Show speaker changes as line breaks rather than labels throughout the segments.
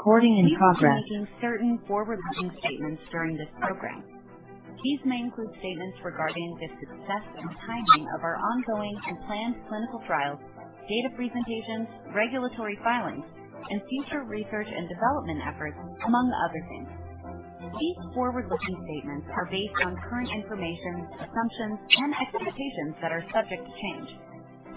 Recording in progress.
We will be making certain forward-looking statements during this program. These may include statements regarding the success and timing of our ongoing and planned clinical trials, data presentations, regulatory filings, and future research and development efforts, among other things. These forward-looking statements are based on current information, assumptions, and expectations that are subject to change.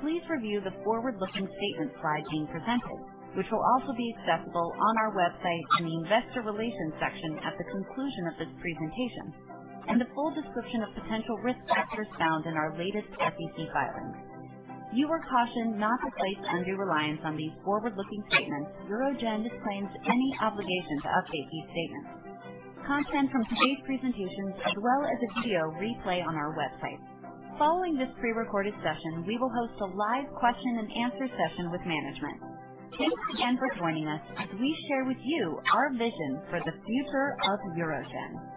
Please review the forward-looking statements slide being presented, which will also be accessible on our website in the Investor Relations section at the conclusion of this presentation and the full description of potential risk factors found in our latest SEC filings. You are cautioned not to place undue reliance on these forward-looking statements. UroGen disclaims any obligation to update these statements. Content from today's presentation, as well as a video replay, on our website. Following this pre-recorded session, we will host a live question and answer session with management. Thanks again for joining us as we share with you our vision for the future of UroGen.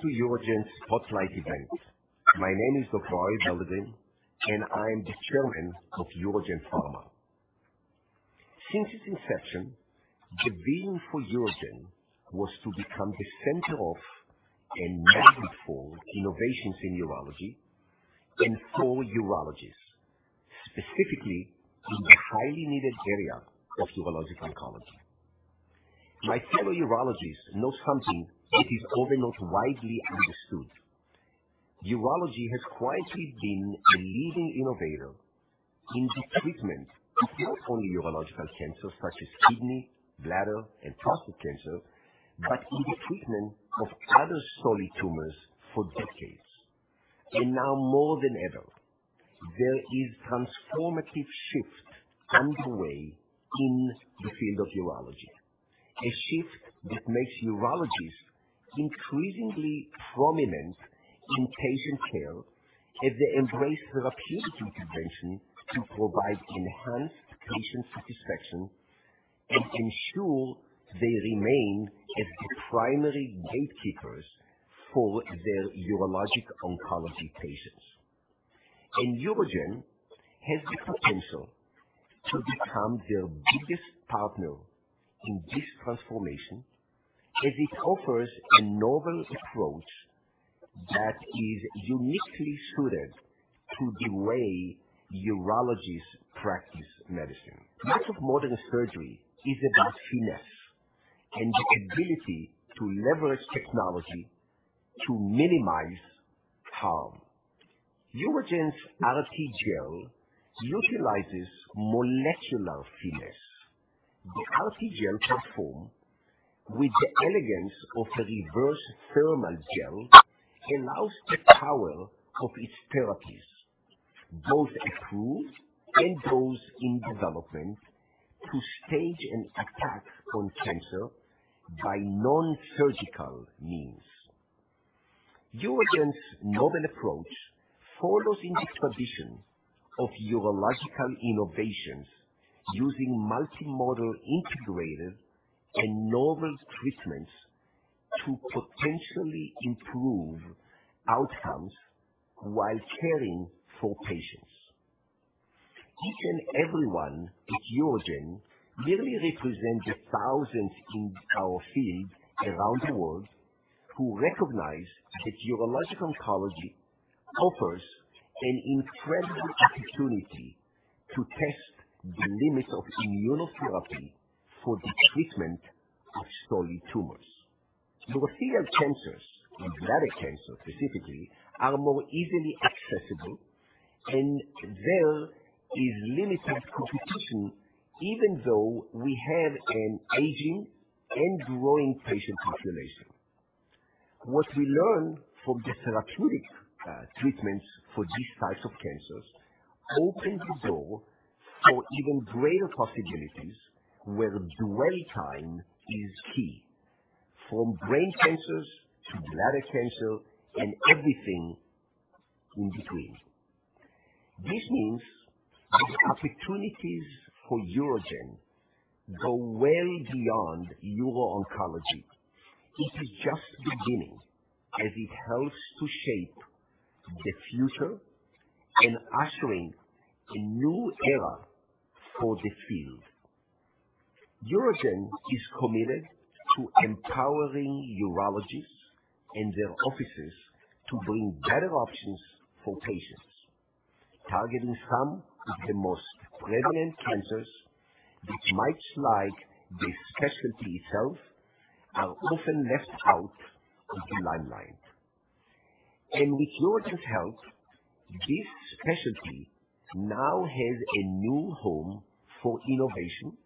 Welcome to UroGen's Spotlight event. My name is Arie Belldegrun, and I'm the Chairman of UroGen Pharma. Since its inception, the vision for UroGen was to become the center of and magnet for innovations in urology and for urologists, specifically in the highly needed area of urologic oncology. My fellow urologists know something that is often not widely understood. Urology has quietly been a leading innovator in the treatment of not only urological cancers such as kidney, bladder, and prostate cancer, but in the treatment of other solid tumors for decades. Now more than ever, there is transformative shift underway in the field of urology. A shift that makes urologists increasingly prominent in patient care as they embrace therapeutic intervention to provide enhanced patient satisfaction and ensure they remain as the primary gatekeepers for their urologic oncology patients. UroGen has the potential to become their biggest partner in this transformation as it offers a novel approach that is uniquely suited to the way urologists practice medicine. Much of modern surgery is about finesse and the ability to leverage technology to minimize harm. UroGen's RTGel utilizes molecular finesse. The RTGel platform, with the elegance of a reverse thermal gel, allows the power of its therapies, both approved and those in development, to stage an attack on cancer by non-surgical means. UroGen's novel approach follows in the tradition of urological innovations using multi-modal integrated and novel treatments to potentially improve outcomes while caring for patients. Each and everyone at UroGen merely represent the thousands in our field around the world who recognize that urologic oncology offers an incredible opportunity to test the limits of immunotherapy for the treatment of solid tumors. Urothelial cancers and bladder cancer specifically are more easily accessible, and there is limited competition, even though we have an aging and growing patient population. What we learn from the therapeutic treatments for these types of cancers open the door for even greater possibilities where dwell time is key, from brain cancers to bladder cancer and everything in between. This means the opportunities for UroGen go well beyond uro-oncology. It is just beginning as it helps to shape the future and ushering a new era for the field. UroGen is committed to empowering urologists and their offices to bring better options for patients, targeting some of the most prevalent cancers which, much like the specialty itself, are often left out of the limelight. With UroGen's help, this specialty now has a new home for innovation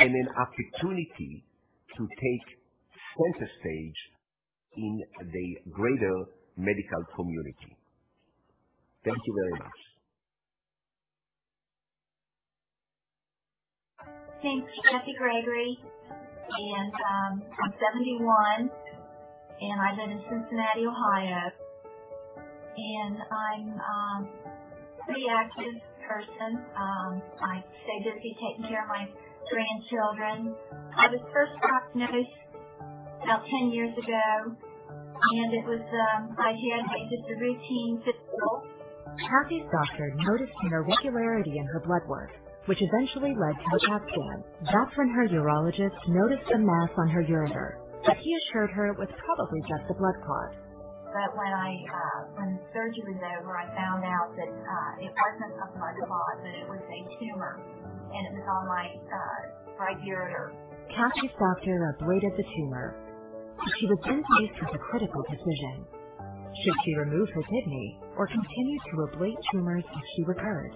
and an opportunity to take center stage in the greater medical community. Thank you very much.
Thank you. I'm Cathy Gregory, and I'm 71 and I live in Cincinnati, Ohio. I'm pretty active person. I stay busy taking care of my grandchildren. I was first diagnosed about 10 years ago, and it was. I had just a routine physical.
Cathy's doctor noticed an irregularity in her blood work, which eventually led to a CAT scan. That's when her urologist noticed a mass on her ureter, but he assured her it was probably just a blood clot.
When the surgery was over, I found out that it wasn't just a blood clot, that it was a tumor, and it was on my right ureter.
Cathy's doctor ablated the tumor, but she was then faced with a critical decision. Should she remove her kidney or continue to ablate tumors if she recurred?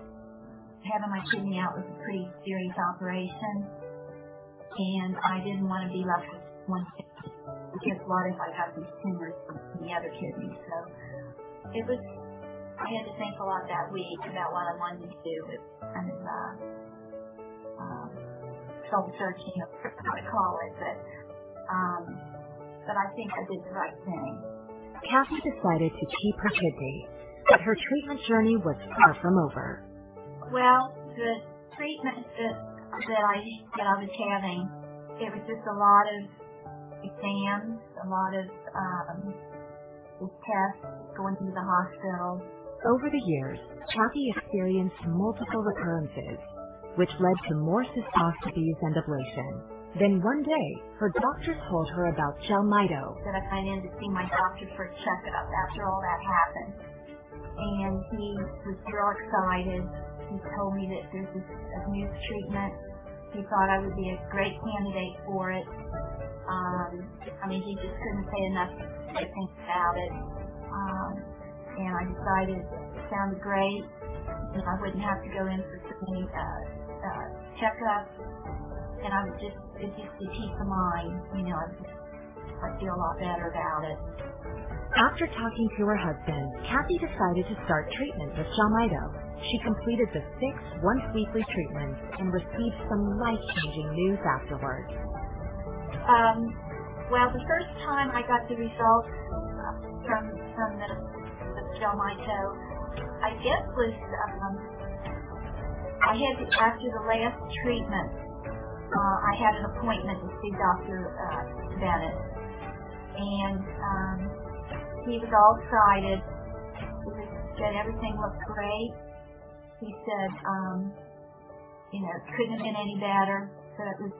Having my kidney out was a pretty serious operation, and I didn't wanna be left with one kidney. Because what if I have these tumors from the other kidney? I had to think a lot that week about what I wanted to do. It's kind of soul-searching, I would call it. I think I did the right thing.
Cathy decided to keep her kidney, but her treatment journey was far from over.
Well, the treatments that I was having, it was just a lot of exams, a lot of tests, going to the hospital.
Over the years, Cathy experienced multiple recurrences, which led to more cystoscopies and ablations. One day, her doctors told her about Jelmyto.
I went in to see my doctor for a checkup after all that happened, and he was real excited. He told me that there's this new treatment. He thought I would be a great candidate for it. I mean, he just couldn't say enough good things about it. And I decided it sounded great, because I wouldn't have to go in for so many checkups, and I would just, it'd just be peace of mind. You know, I'd feel a lot better about it.
After talking to her husband, Cathy decided to start treatment with Jelmyto. She completed the six one-weekly treatments and received some life-changing news afterward.
Well, the first time I got the results from the Jelmyto, I guess was after the last treatment. I had an appointment to see Dr. Bennett. He was all excited. He said everything looked great. He said, you know, it couldn't have been any better. Said it was,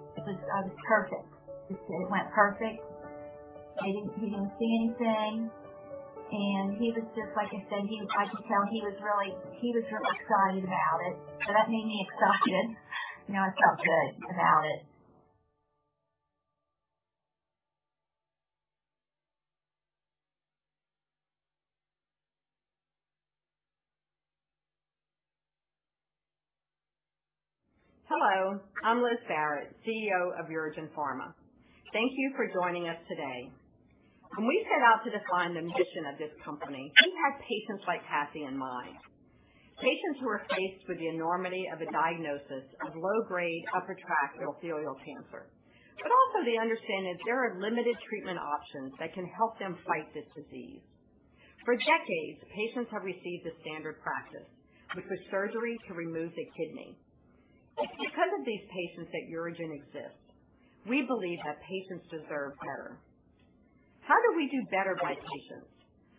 I was perfect. He said it went perfect. He didn't see anything. He was just, like I said, I could tell he was really excited about it. That made me excited. I felt good about it.
Hello, I'm Liz Barrett, CEO of UroGen Pharma. Thank you for joining us today. When we set out to define the mission of this company, we had patients like Cathy in mind. Patients who are faced with the enormity of a diagnosis of low-grade upper tract urothelial cancer, but also the understanding that there are limited treatment options that can help them fight this disease. For decades, patients have received the standard practice, which was surgery to remove the kidney. It's because of these patients that UroGen exists. We believe that patients deserve better. How do we do better by patients?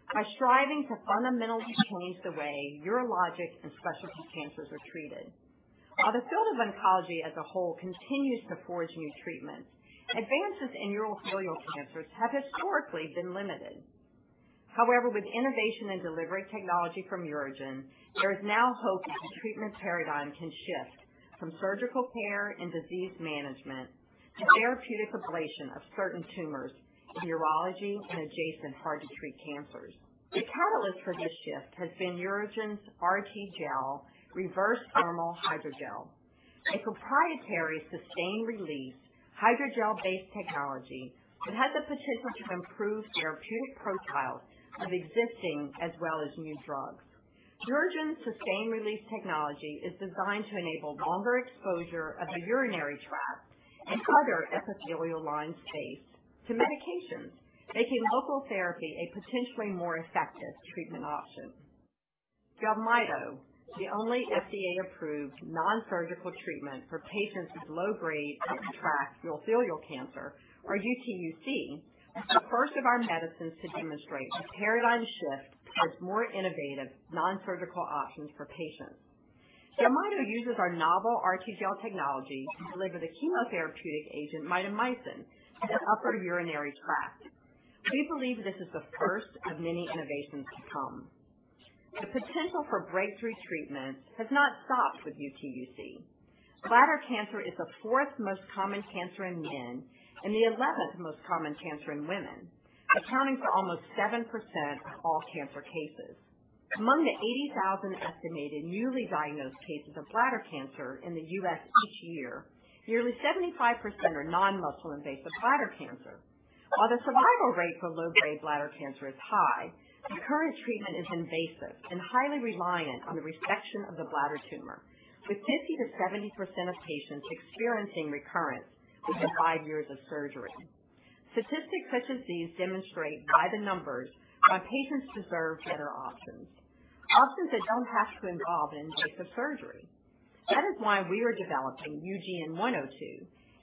By striving to fundamentally change the way urologic and specialty cancers are treated. While the field of oncology as a whole continues to forge new treatments, advances in urothelial cancers have historically been limited. However, with innovation and delivery technology from UroGen, there is now hope that the treatment paradigm can shift from surgical care and disease management to therapeutic ablation of certain tumors in urology and adjacent hard-to-treat cancers. The catalyst for this shift has been UroGen's RTGel reverse-thermal hydrogel, a proprietary sustained release hydrogel-based technology that has the potential to improve therapeutic profiles of existing as well as new drugs. UroGen's sustained release technology is designed to enable longer exposure of the urinary tract and other epithelial-lined space to medications, making local therapy a potentially more effective treatment option. Jelmyto, the only FDA-approved non-surgical treatment for patients with low-grade upper tract urothelial cancer or UTUC, is the first of our medicines to demonstrate a paradigm shift towards more innovative non-surgical options for patients. Jelmyto uses our novel RTGel technology to deliver the chemotherapeutic agent mitomycin to the upper urinary tract. We believe this is the first of many innovations to come. The potential for breakthrough treatments has not stopped with UTUC. Bladder cancer is the fourth most common cancer in men and the eleventh most common cancer in women, accounting for almost 7% of all cancer cases. Among the 80,000 estimated newly diagnosed cases of bladder cancer in the U.S. each year, nearly 75% are non-muscle invasive bladder cancer. While the survival rate for low-grade bladder cancer is high, the current treatment is invasive and highly reliant on the resection of the bladder tumor, with 50%-70% of patients experiencing recurrence within 5 years of surgery. Statistics such as these demonstrate by the numbers why patients deserve better options that don't have to involve an invasive surgery. That is why we are developing UGN-102,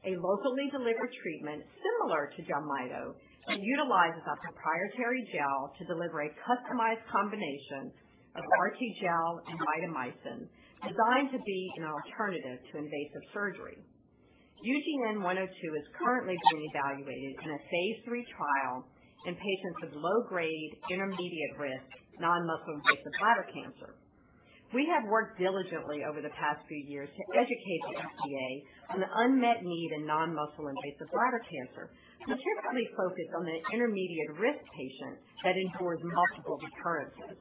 a locally delivered treatment similar to gemcitabine that utilizes a proprietary gel to deliver a customized combination of RTGel and mitomycin, designed to be an alternative to invasive surgery. UGN-102 is currently being evaluated in a phase III trial in patients with low-grade, intermediate-risk non-muscle invasive bladder cancer. We have worked diligently over the past few years to educate the FDA on the unmet need in non-muscle invasive bladder cancer, particularly focused on the intermediate risk patient that incurs multiple recurrences.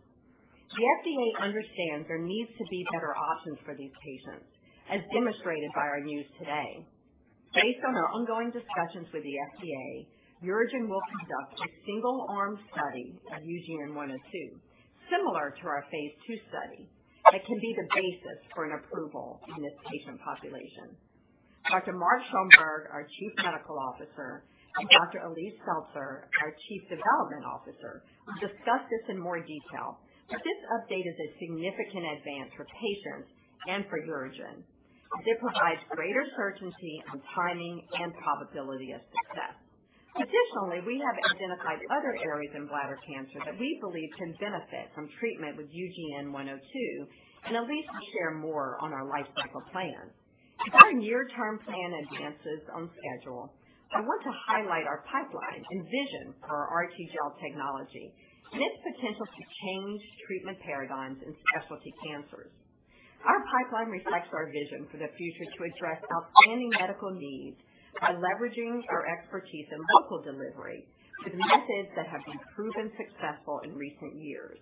The FDA understands there needs to be better options for these patients, as demonstrated by our news today. Based on our ongoing discussions with the FDA, UroGen will conduct a single-arm study of UGN-102, similar to our phase II study, that can be the basis for an approval in this patient population. Dr. Mark Schoenberg, our Chief Medical Officer, and Dr. Elyse Seltzer, our Chief Development Officer, will discuss this in more detail, but this update is a significant advance for patients and for UroGen, as it provides greater certainty on timing and probability of success. Additionally, we have identified other areas in bladder cancer that we believe can benefit from treatment with UGN-102, and Elyse will share more on our life cycle plan. If our near-term plan advances on schedule, I want to highlight our pipeline and vision for our RTGel technology and its potential to change treatment paradigms in specialty cancers. Our pipeline reflects our vision for the future to address outstanding medical needs by leveraging our expertise in local delivery with methods that have been proven successful in recent years,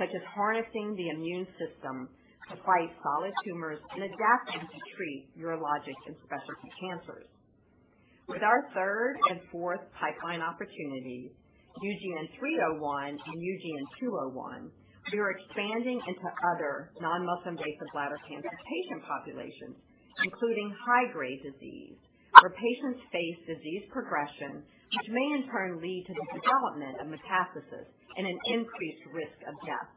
such as harnessing the immune system to fight solid tumors and adapting to treat urologic and specialty cancers. With our third and fourth pipeline opportunities, UGN-301 and UGN-201, we are expanding into other non-muscle invasive bladder cancer patient populations, including high-grade disease, where patients face disease progression, which may in turn lead to the development of metastasis and an increased risk of death.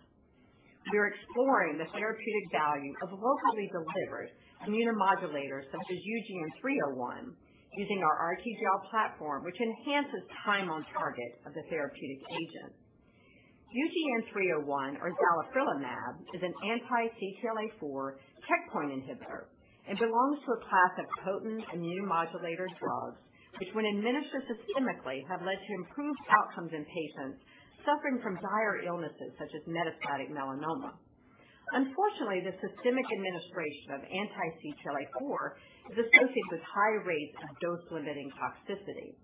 We are exploring the therapeutic value of locally delivered immunomodulators, such as UGN-301, using our RTGel platform, which enhances time on target of the therapeutic agent. UGN-301 or zalifrelimab is an anti-CTLA4 checkpoint inhibitor and belongs to a class of potent immunomodulator drugs, which, when administered systemically, have led to improved outcomes in patients suffering from dire illnesses such as metastatic melanoma. Unfortunately, the systemic administration of anti-CTLA4 is associated with high rates of dose-limiting toxicity.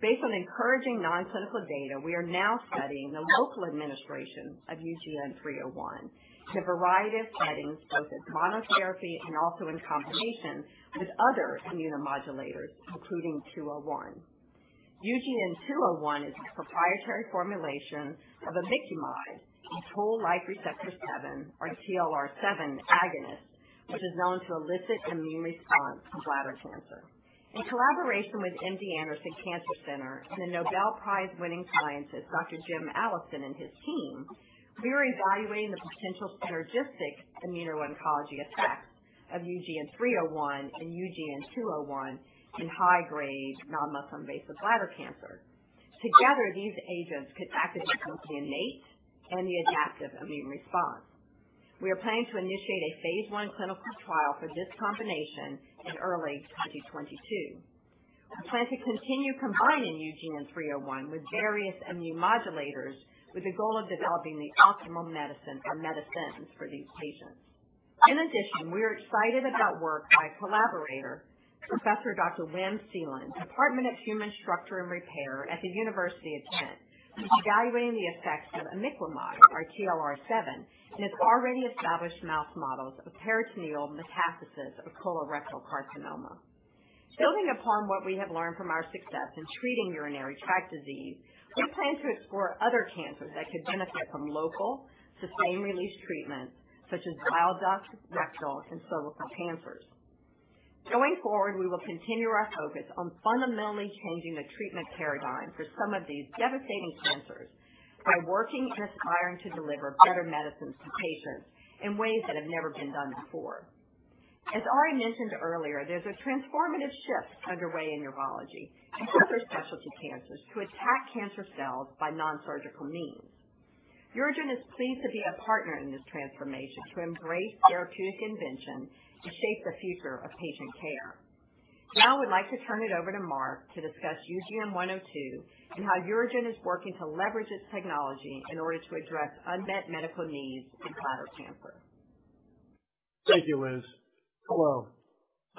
Based on encouraging non-clinical data, we are now studying the local administration of UGN-301 in a variety of settings, both as monotherapy and also in combination with other immunomodulators, including UGN-201. UGN-201 is a proprietary formulation of imiquimod and toll-like receptor seven or TLR7 agonist, which is known to elicit immune response in bladder cancer. In collaboration with MD Anderson Cancer Center and the Nobel Prize-winning scientist, Dr. Jim Allison and his team, we are evaluating the potential synergistic immuno-oncology effect of UGN-301 and UGN-201 in high-grade non-muscle invasive bladder cancer. Together, these agents could activate both the innate and the adaptive immune response. We are planning to initiate a phase I clinical trial for this combination in early 2022. We plan to continue combining UGN-301 with various immunomodulators with the goal of developing the optimal medicine or medicines for these patients. In addition, we are excited about work by a collaborator, Professor Dr. Wim Ceelen, Department of Human Structure and Repair at Ghent University, who's evaluating the effects of imiquimod or TLR7 in his already established mouse models of peritoneal metastasis of colorectal carcinoma. Building upon what we have learned from our success in treating urinary tract disease, we plan to explore other cancers that could benefit from local sustained-release treatments such as bile duct, rectal, and cervical cancers. Going forward, we will continue our focus on fundamentally changing the treatment paradigm for some of these devastating cancers by working and aspiring to deliver better medicines to patients in ways that have never been done before. As Arie mentioned earlier, there's a transformative shift underway in urology and other specialty cancers to attack cancer cells by non-surgical means. UroGen is pleased to be a partner in this transformation to embrace therapeutic invention to shape the future of patient care. Now I would like to turn it over to Mark to discuss UGN-102 and how UroGen is working to leverage its technology in order to address unmet medical needs in bladder cancer.
Thank you, Liz. Hello,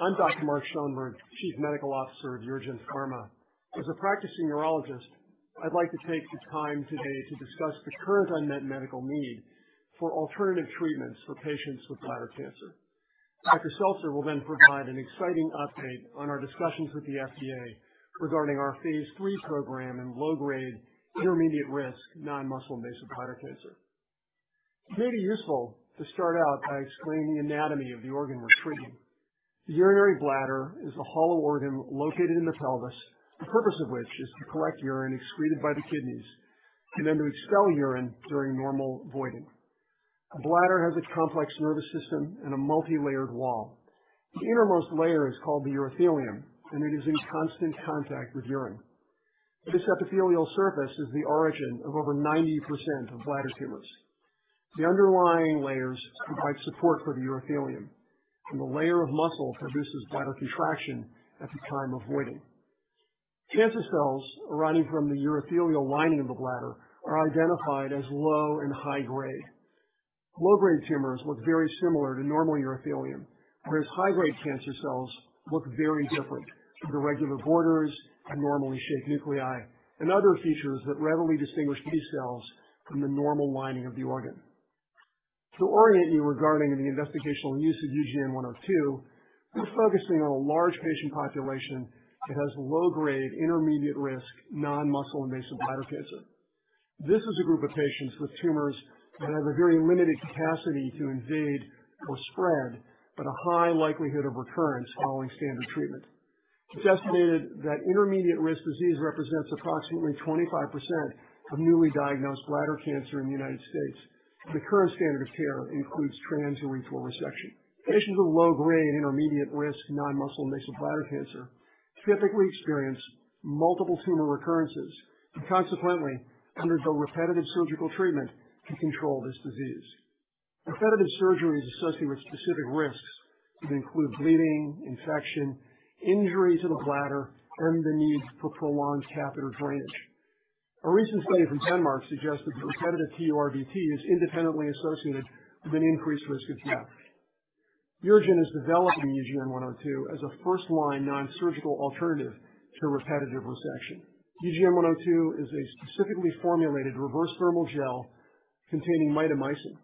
I'm Dr. Mark Schoenberg, Chief Medical Officer of UroGen Pharma. As a practicing urologist, I'd like to take the time today to discuss the current unmet medical need for alternative treatments for patients with bladder cancer. Elyse Seltzer will then provide an exciting update on our discussions with the FDA regarding our phase III program in low-grade intermediate-risk non-muscle invasive bladder cancer. It may be useful to start out by explaining the anatomy of the organ we're treating. The urinary bladder is a hollow organ located in the pelvis, the purpose of which is to collect urine excreted by the kidneys and then to expel urine during normal voiding. A bladder has a complex nervous system and a multilayered wall. The innermost layer is called the urothelium, and it is in constant contact with urine. This epithelial surface is the origin of over 90% of bladder tumors. The underlying layers provide support for the urothelium, and the layer of muscle produces bladder contraction at the time of voiding. Cancer cells arising from the urothelial lining of the bladder are identified as low and high-grade. Low-grade tumors look very similar to normal urothelium, whereas high-grade cancer cells look very different from the regular borders and normally shaped nuclei and other features that readily distinguish these cells from the normal lining of the organ. To orient you regarding the investigational use of UGN-102, we're focusing on a large patient population that has low-grade intermediate-risk non-muscle invasive bladder cancer. This is a group of patients with tumors that have a very limited capacity to invade or spread, but a high likelihood of recurrence following standard treatment. It's estimated that intermediate-risk disease represents approximately 25% of newly diagnosed bladder cancer in the United States. The current standard of care includes transurethral resection. Patients with low-grade intermediate-risk non-muscle invasive bladder cancer typically experience multiple tumor recurrences and consequently undergo repetitive surgical treatment to control this disease. Repetitive surgery is associated with specific risks that include bleeding, infection, injury to the bladder, and the need for prolonged catheter drainage. A recent study from Denmark suggested that repetitive TURBT is independently associated with an increased risk of death. UroGen is developing UGN102 as a first-line non-surgical alternative to repetitive resection. UGN102 is a specifically formulated reverse thermal gel containing mitomycin.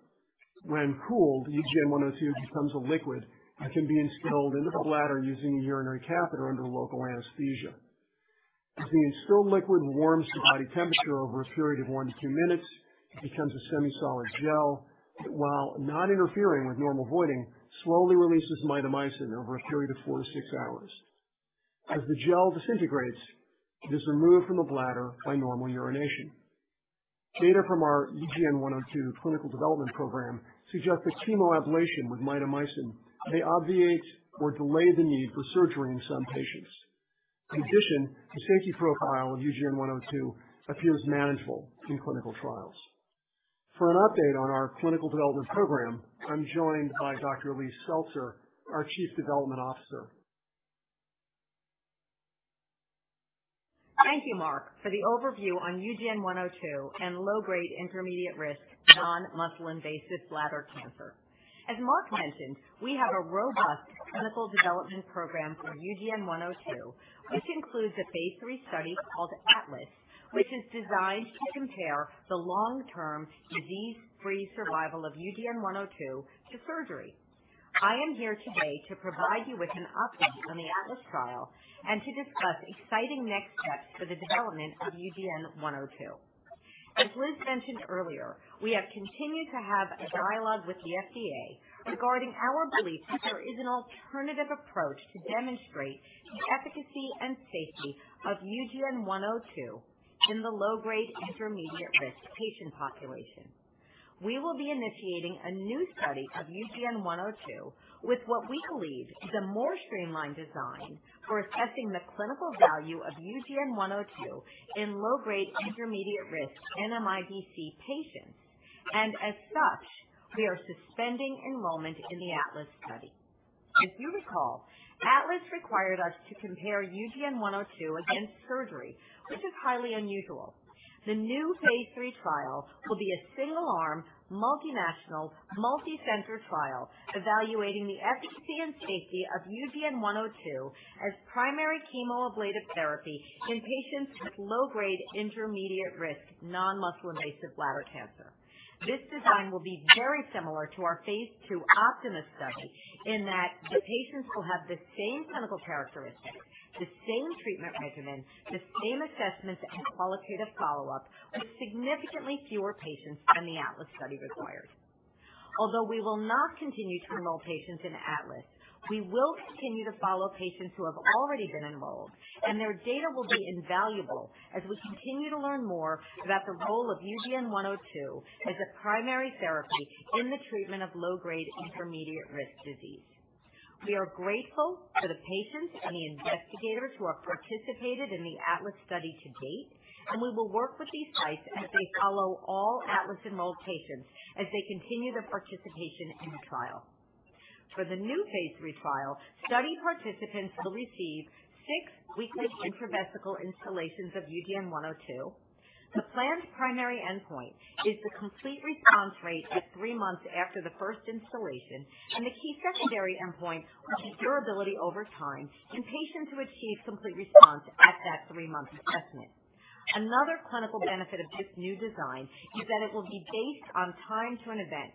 When cooled, UGN102 becomes a liquid that can be instilled into the bladder using a urinary catheter under local anesthesia. As the instilled liquid warms to body temperature over a period of 1-2 minutes, it becomes a semi-solid gel that, while not interfering with normal voiding, slowly releases mitomycin over a period of 4-6 hours. As the gel disintegrates, it is removed from the bladder by normal urination. Data from our UGN102 clinical development program suggest that chemoablation with mitomycin may obviate or delay the need for surgery in some patients. In addition, the safety profile of UGN102 appears manageable in clinical trials. For an update on our clinical development program, I'm joined by Dr. Elyse Seltzer, our Chief Development Officer.
Thank you, Mark, for the overview on UGN102 and low-grade intermediate-risk non-muscle invasive bladder cancer. As Mark mentioned, we have a robust clinical development program for UGN102, which includes a phase III study called ATLAS, which is designed to compare the long-term disease-free survival of UGN102 to surgery. I am here today to provide you with an update on the ATLAS trial and to discuss exciting next steps for the development of UGN102. As Liz mentioned earlier, we have continued to have a dialogue with the FDA regarding our belief that there is an alternative approach to demonstrate the efficacy and safety of UGN102 in the low-grade intermediate-risk patient population. We will be initiating a new study of UGN102 with what we believe is a more streamlined design for assessing the clinical value of UGN102 in low-grade intermediate-risk NMIBC patients. As such, we are suspending enrollment in the ATLAS study. If you recall, ATLAS required us to compare UGN-102 against surgery, which is highly unusual. The new phase III trial will be a single-arm, multinational, multi-center trial evaluating the efficacy and safety of UGN-102 as primary chemoablative therapy in patients with low-grade intermediate-risk non-muscle-invasive bladder cancer. This design will be very similar to our phase II OPTIMA II study in that the patients will have the same clinical characteristics, the same treatment regimen, the same assessments, and qualitative follow-up with significantly fewer patients than the ATLAS study required. Although we will not continue to enroll patients in ATLAS, we will continue to follow patients who have already been enrolled, and their data will be invaluable as we continue to learn more about the role of UGN-102 as a primary therapy in the treatment of low-grade intermediate-risk disease. We are grateful to the patients and the investigators who have participated in the ATLAS study to date, and we will work with these sites as they follow all ATLAS-enrolled patients as they continue their participation in the trial. For the new phase III trial, study participants will receive six weekly intravesical instillations of UGN102. The planned primary endpoint is the complete response rate at three months after the first instillation and the key secondary endpoint, which is durability over time in patients who achieve complete response at that three-month assessment. Another clinical benefit of this new design is that it will be based on time to an event.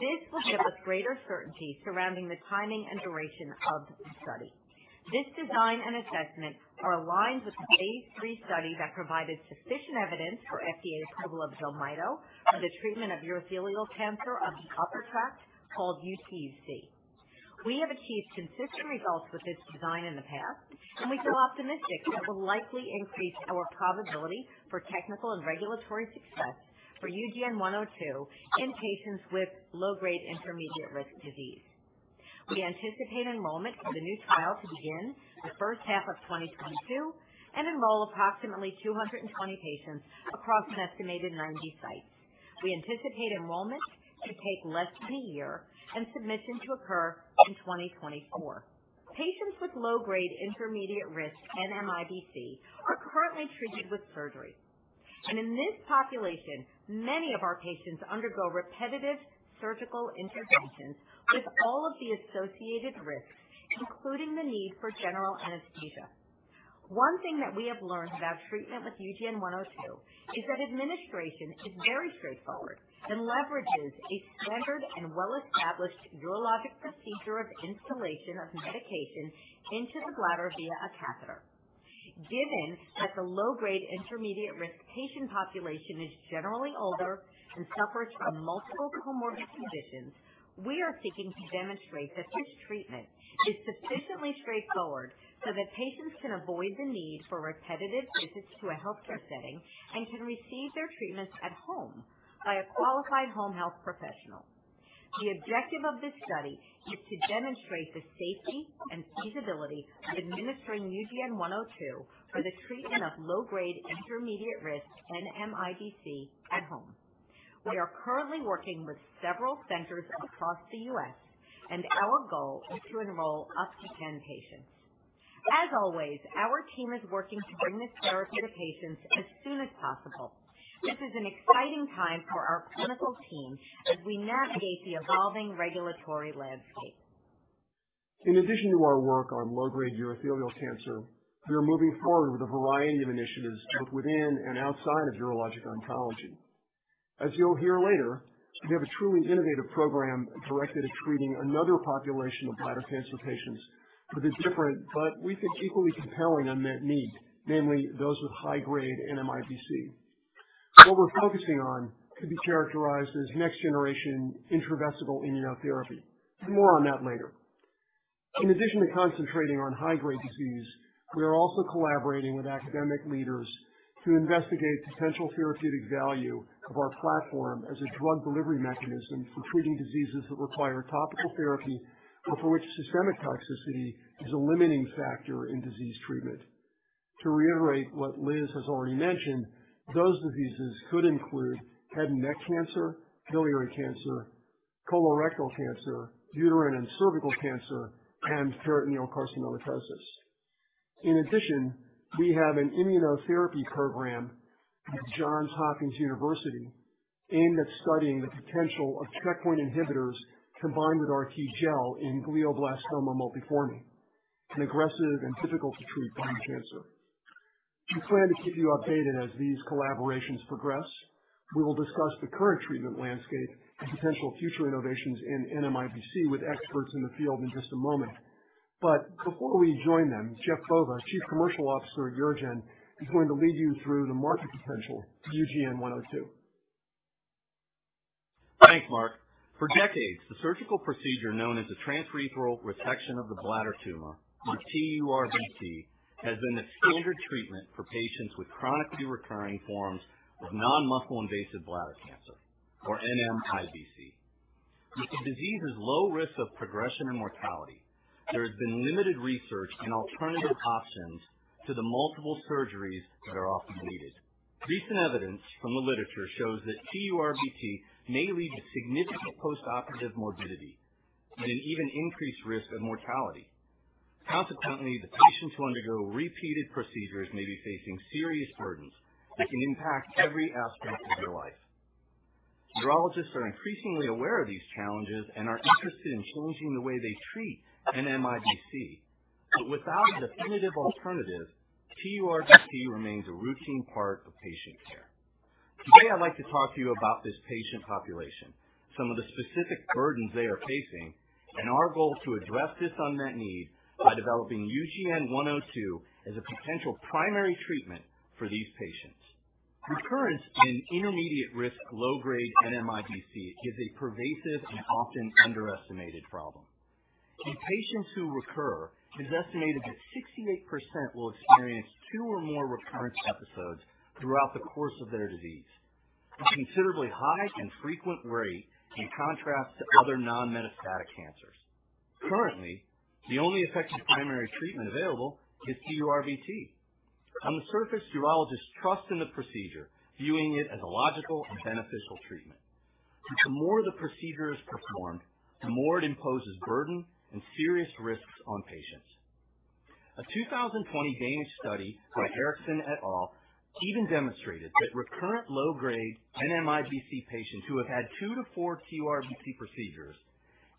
This will give us greater certainty surrounding the timing and duration of the study. This design and assessment are aligned with the phase III study that provided sufficient evidence for FDA approval of Jelmyto for the treatment of urothelial cancer of the upper tract called UTUC. We have achieved consistent results with this design in the past, and we feel optimistic that it will likely increase our probability for technical and regulatory success for UGN102 in patients with low-grade intermediate-risk disease. We anticipate enrollment for the new trial to begin the first half of 2022 and enroll approximately 220 patients across an estimated 90 sites. We anticipate enrollment to take less than a year and submission to occur in 2024. Patients with low-grade intermediate-risk NMIBC are currently treated with surgery. In this population, many of our patients undergo repetitive surgical interventions with all of the associated risks, including the need for general anesthesia. One thing that we have learned about treatment with UGN-102 is that administration is very straightforward and leverages a standard and well-established urologic procedure of instillation of medication into the bladder via a catheter. Given that the low-grade intermediate-risk patient population is generally older and suffers from multiple comorbid conditions, we are seeking to demonstrate that this treatment is sufficiently straightforward so that patients can avoid the need for repetitive visits to a healthcare setting and can receive their treatments at home by a qualified home health professional. The objective of this study is to demonstrate the safety and feasibility of administering UGN-102 for the treatment of low-grade intermediate-risk NMIBC at home. We are currently working with several centers across the U.S., and our goal is to enroll up to 10 patients. As always, our team is working to bring this therapy to patients as soon as possible. This is an exciting time for our clinical team as we navigate the evolving regulatory landscape.
In addition to our work on low-grade urothelial cancer, we are moving forward with a variety of initiatives both within and outside of urologic oncology. As you'll hear later, we have a truly innovative program directed at treating another population of bladder cancer patients with a different, but we think equally compelling unmet need, namely those with high-grade NMIBC. What we're focusing on could be characterized as next generation intravesical immunotherapy. More on that later. In addition to concentrating on high-grade disease, we are also collaborating with academic leaders to investigate potential therapeutic value of our platform as a drug delivery mechanism for treating diseases that require topical therapy, but for which systemic toxicity is a limiting factor in disease treatment. To reiterate what Liz has already mentioned, those diseases could include head and neck cancer, biliary cancer, colorectal cancer, uterine and cervical cancer, and peritoneal carcinomatosis. In addition, we have an immunotherapy program with Johns Hopkins University aimed at studying the potential of checkpoint inhibitors combined with our RTGel in glioblastoma multiforme, an aggressive and difficult to treat brain cancer. We plan to keep you updated as these collaborations progress. We will discuss the current treatment landscape and potential future innovations in NMIBC with experts in the field in just a moment. Before we join them, Jeff Bova, Chief Commercial Officer at UroGen, is going to lead you through the market potential of UGN-102.
Thanks, Mark. For decades, the surgical procedure known as the transurethral resection of the bladder tumor, or TURBT, has been the standard treatment for patients with chronically recurring forms of non-muscle invasive bladder cancer, or NMIBC. With the disease's low risk of progression and mortality, there has been limited research in alternative options to the multiple surgeries that are often needed. Recent evidence from the literature shows that TURBT may lead to significant postoperative morbidity and an even increased risk of mortality. Consequently, the patients who undergo repeated procedures may be facing serious burdens that can impact every aspect of their life. Urologists are increasingly aware of these challenges and are interested in changing the way they treat NMIBC. Without a definitive alternative, TURBT remains a routine part of patient care. Today, I'd like to talk to you about this patient population, some of the specific burdens they are facing, and our goal to address this unmet need by developing UGN102 as a potential primary treatment for these patients. Recurrence in intermediate-risk, low-grade NMIBC is a pervasive and often underestimated problem. In patients who recur, it is estimated that 68% will experience two or more recurrence episodes throughout the course of their disease, a considerably high and frequent rate in contrast to other non-metastatic cancers. Currently, the only effective primary treatment available is TURBT. On the surface, urologists trust in the procedure, viewing it as a logical and beneficial treatment. The more the procedure is performed, the more it imposes burden and serious risks on patients. A 2020 Danish study by Eriksson et al. even demonstrated that recurrent low-grade NMIBC patients who have had 2-4 TURBT procedures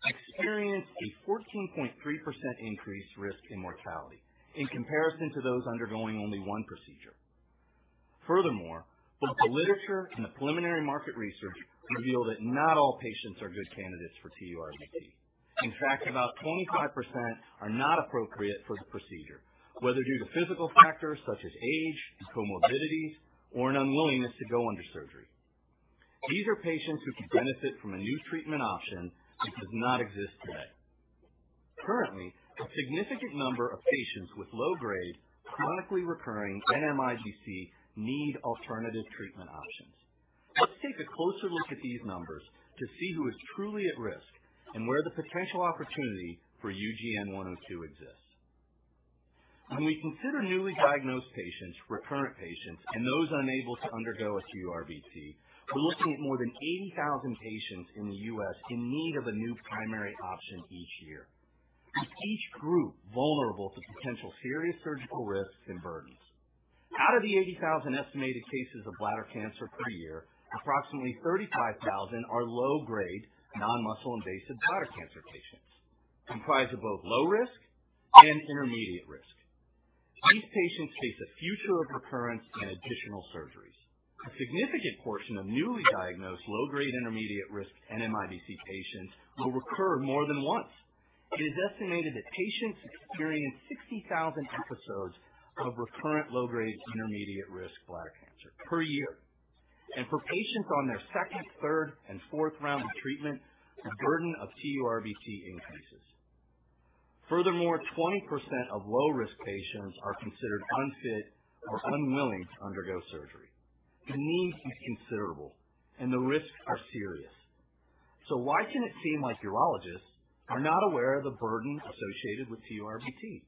experienced a 14.3% increased risk in mortality in comparison to those undergoing only one procedure. Furthermore, both the literature and the preliminary market research reveal that not all patients are good candidates for TURBT. In fact, about 25% are not appropriate for the procedure, whether due to physical factors such as age and comorbidities or an unwillingness to go under surgery. These are patients who could benefit from a new treatment option that does not exist today. Currently, a significant number of patients with low-grade, chronically recurring NMIBC need alternative treatment options. Let's take a closer look at these numbers to see who is truly at risk and where the potential opportunity for UGN-102 exists. When we consider newly diagnosed patients, recurrent patients, and those unable to undergo a TURBT, we're looking at more than 80,000 patients in the U.S. in need of a new primary option each year, with each group vulnerable to potential serious surgical risks and burdens. Out of the 80,000 estimated cases of bladder cancer per year, approximately 35,000 are low-grade non-muscle invasive bladder cancer patients, comprised of both low risk and intermediate risk. These patients face a future of recurrence and additional surgeries. A significant portion of newly diagnosed low-grade intermediate risk NMIBC patients will recur more than once. It is estimated that patients experience 60,000 episodes of recurrent low-grade intermediate-risk bladder cancer per year. For patients on their second, third, and fourth round of treatment, the burden of TURBT increases. Furthermore, 20% of low-risk patients are considered unfit or unwilling to undergo surgery. The need is considerable, and the risks are serious. Why can it seem like urologists are not aware of the burden associated with TURBT?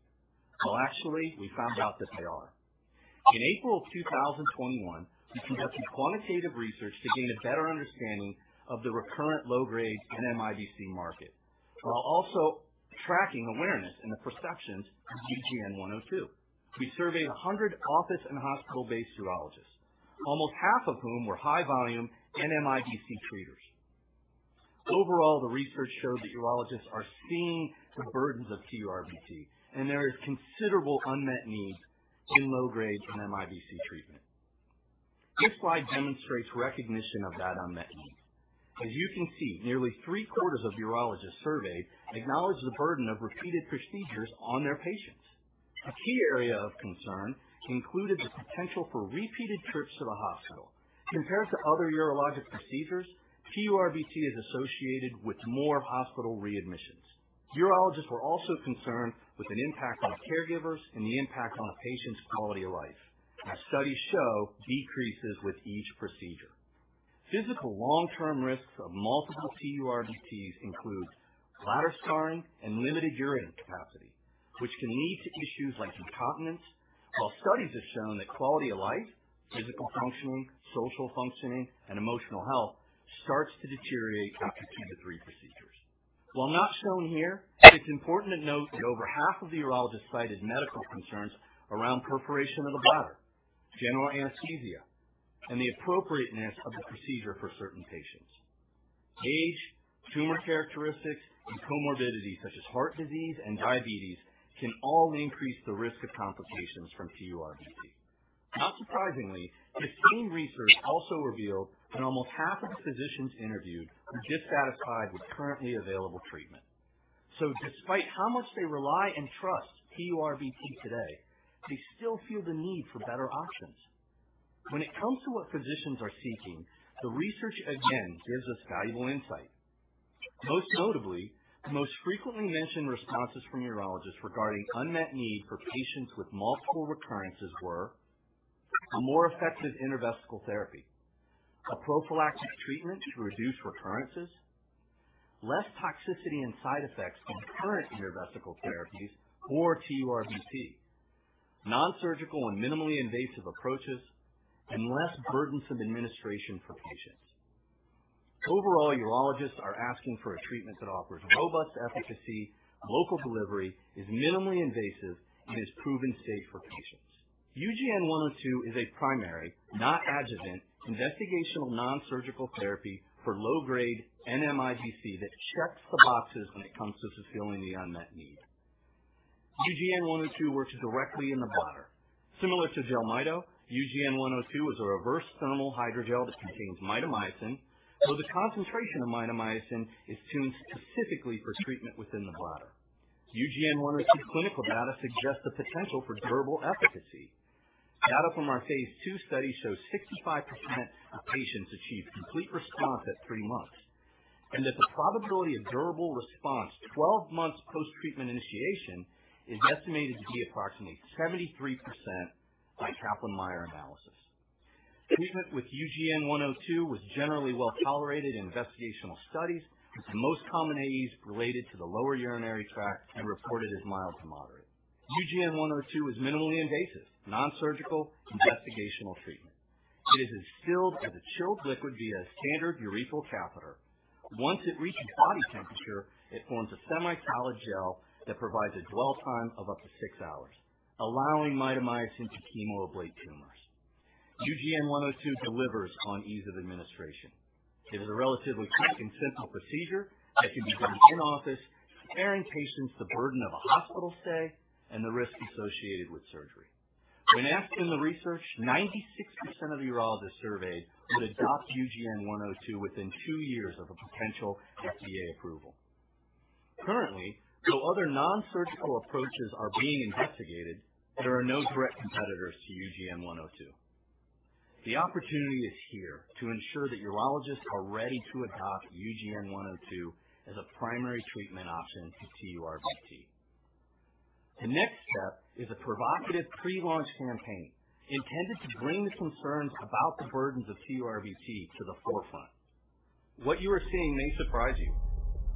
Well, actually, we found out that they are. In April of 2021, we conducted quantitative research to gain a better understanding of the recurrent low-grade NMIBC market while also tracking awareness and the perceptions of UGN102. We surveyed 100 office and hospital-based urologists, almost half of whom were high-volume NMIBC treaters. Overall, the research showed that urologists are seeing the burdens of TURBT, and there is considerable unmet need in low-grade NMIBC treatment. This slide demonstrates recognition of that unmet need. As you can see, nearly three-quarters of urologists surveyed acknowledged the burden of repeated procedures on their patients. A key area of concern included the potential for repeated trips to the hospital. Compared to other urologic procedures, TURBT is associated with more hospital readmissions. Urologists were also concerned with an impact on caregivers and the impact on a patient's quality of life, as studies show, decreases with each procedure. Physical long-term risks of multiple TURBTs include bladder scarring and limited urine capacity, which can lead to issues like incontinence. While studies have shown that quality of life, physical functioning, social functioning, and emotional health starts to deteriorate after two to three procedures. While not shown here, it's important to note that over half of the urologists cited medical concerns around perforation of the bladder, general anesthesia, and the appropriateness of the procedure for certain patients. Age, tumor characteristics, and comorbidities such as heart disease and diabetes can all increase the risk of complications from TURBT. Not surprisingly, the same research also revealed that almost half of the physicians interviewed were dissatisfied with currently available treatment. Despite how much they rely and trust TURBT today, they still feel the need for better options. When it comes to what physicians are seeking, the research again gives us valuable insight. Most notably, the most frequently mentioned responses from urologists regarding unmet need for patients with multiple recurrences were a more effective intravesical therapy, a prophylactic treatment to reduce recurrences, less toxicity and side effects from current intravesical therapies or TURBT, non-surgical and minimally invasive approaches, and less burdensome administration for patients. Overall, urologists are asking for a treatment that offers robust efficacy, local delivery, is minimally invasive, and is proven safe for patients. UGN-102 is a primary, not adjuvant, investigational non-surgical therapy for low-grade NMIBC that checks the boxes when it comes to fulfilling the unmet need. UGN-102 works directly in the bladder. Similar to Jelmyto, UGN-102 is a reverse-thermal hydrogel that contains mitomycin, though the concentration of mitomycin is tuned specifically for treatment within the bladder. UGN-102 clinical data suggests the potential for durable efficacy. Data from our phase II study shows 65% of patients achieved complete response at 3 months, and that the probability of durable response 12 months post-treatment initiation is estimated to be approximately 73% by Kaplan-Meier analysis. Treatment with UGN-102 was generally well tolerated in investigational studies, with the most common AEs related to the lower urinary tract and reported as mild to moderate. UGN-102 is minimally invasive, non-surgical investigational treatment. It is instilled as a chilled liquid via a standard urethral catheter. Once it reaches body temperature, it forms a semi-solid gel that provides a dwell time of up to six hours, allowing mitomycin to chemoablate tumors. UGN-102 delivers on ease of administration. It is a relatively quick and simple procedure that can be done in office, sparing patients the burden of a hospital stay and the risks associated with surgery. When asked in the research, 96% of urologists surveyed would adopt UGN-102 within two years of a potential FDA approval. Currently, though other non-surgical approaches are being investigated, there are no direct competitors to UGN-102. The opportunity is here to ensure that urologists are ready to adopt UGN-102 as a primary treatment option for TURBT. The next step is a provocative pre-launch campaign intended to bring the concerns about the burdens of TURBT to the forefront. What you are seeing may surprise you.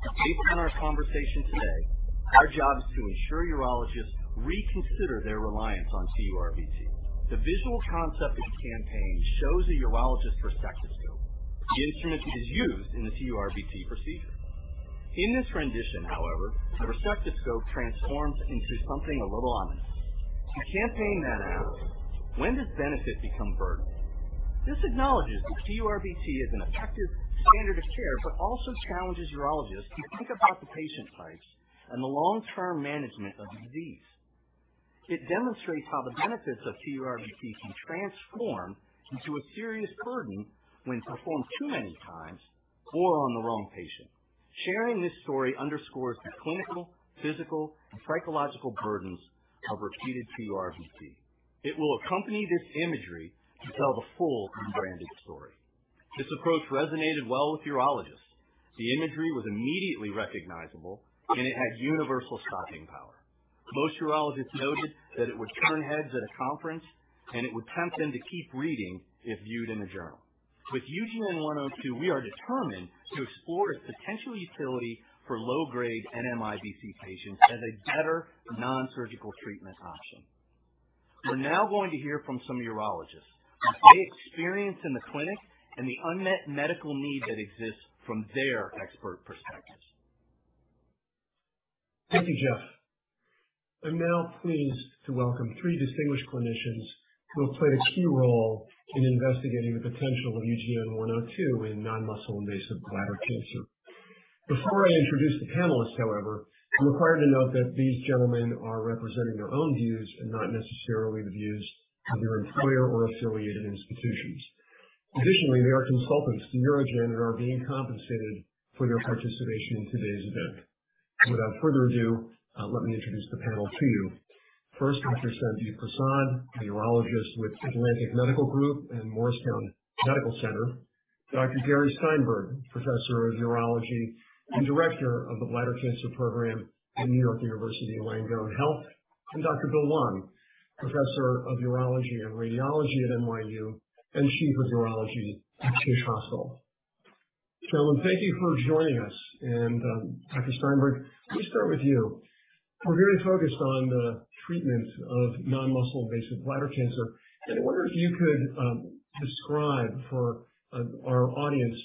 Based on our conversation today, our job is to ensure urologists reconsider their reliance on TURBT. The visual concept of the campaign shows a urologist's cystoscope. The instrument is used in the TURBT procedure. In this rendition, however, the cystoscope transforms into something a little ominous. The campaign then asks, "When does benefit become burden?" This acknowledges that TURBT is an effective standard of care, but also challenges urologists to think about the patient types and the long-term management of disease. It demonstrates how the benefits of TURBT can transform into a serious burden when performed too many times or on the wrong patient. Sharing this story underscores the clinical, physical, and psychological burdens of repeated TURBT. It will accompany this imagery to tell the full unbranded story. This approach resonated well with urologists. The imagery was immediately recognizable, and it had universal stopping power. Most urologists noted that it would turn heads at a conference, and it would tempt them to keep reading if viewed in a journal. With UGN-102, we are determined to explore its potential utility for low-grade NMIBC patients as a better non-surgical treatment option. We're now going to hear from some urologists on their experience in the clinic and the unmet medical need that exists from their expert perspectives.
Thank you, Jeff. I'm now pleased to welcome three distinguished clinicians who have played a key role in investigating the potential of UGN-102 in non-muscle invasive bladder cancer. Before I introduce the panelists, however, I'm required to note that these gentlemen are representing their own views and not necessarily the views of their employer or affiliated institutions. Additionally, they are consultants to UroGen and are being compensated for their participation in today's event. Without further ado, let me introduce the panel to you. First, Dr. Sandip Prasad, a urologist with Atlantic Medical Group and Morristown Medical Center. Dr. Gary Steinberg, professor of urology and director of the Bladder Cancer Program at New York University Langone Health. Dr. William Huang, professor of urology and radiology at NYU and chief of urology at Tisch Hospital. Gentlemen, thank you for joining us. Dr. Steinberg, let me start with you. We're very focused on the treatment of non-muscle invasive bladder cancer. I wonder if you could describe for our audience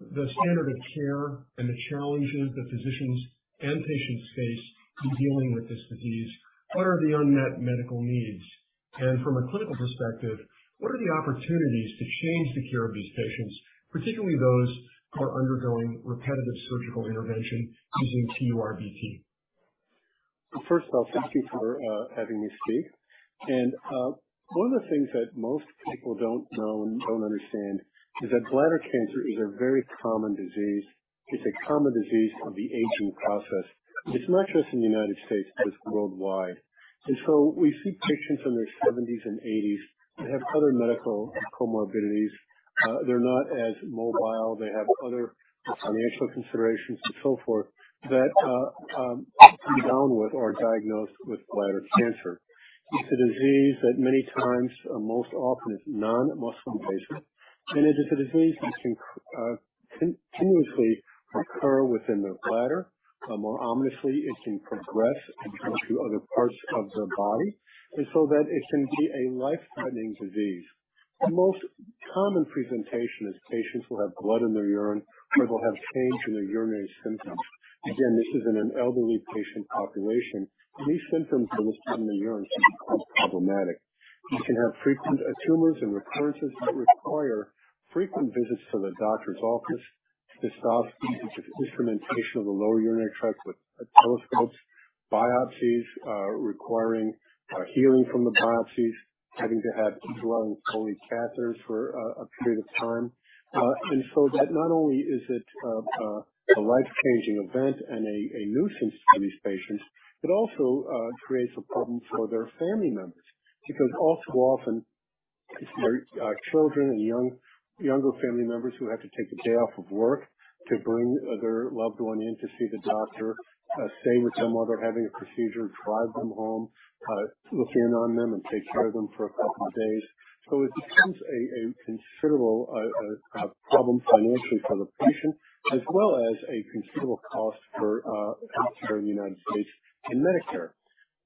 the standard of care and the challenges that physicians and patients face in dealing with this disease. What are the unmet medical needs? From a clinical perspective, what are the opportunities to change the care of these patients, particularly those who are undergoing repetitive surgical intervention using TURBT?
First of all, thank you for having me speak. One of the things that most people don't know and don't understand is that bladder cancer is a very common disease. It's a common disease of the aging process. It's not just in the United States, but it's worldwide. We see patients in their seventies and eighties that have other medical comorbidities. They're not as mobile. They have other financial considerations and so forth that come down with or are diagnosed with bladder cancer. It's a disease that many times or most often is non-muscle invasive. It is a disease that can continuously recur within the bladder. More ominously, it can progress and come to other parts of the body, and so that it can be a life-threatening disease. The most common presentation is patients will have blood in their urine, or they'll have change in their urinary symptoms. Again, this is in an elderly patient population, and these symptoms of blood in the urine can be quite problematic. You can have frequent tumors and recurrences that require frequent visits to the doctor's office, cystoscopies, which is instrumentation of the lower urinary tract with telescopes, biopsies, requiring healing from the biopsies, having to have blood in Foley catheters for a period of time. That not only is it a life-changing event and a nuisance to these patients, it also creates a problem for their family members. Because all too often it's their children and younger family members who have to take a day off of work to bring their loved one in to see the doctor, stay with them while they're having a procedure, drive them home, look in on them and take care of them for a couple of days. It becomes a considerable problem financially for the patient, as well as a considerable cost for healthcare in the United States and Medicare.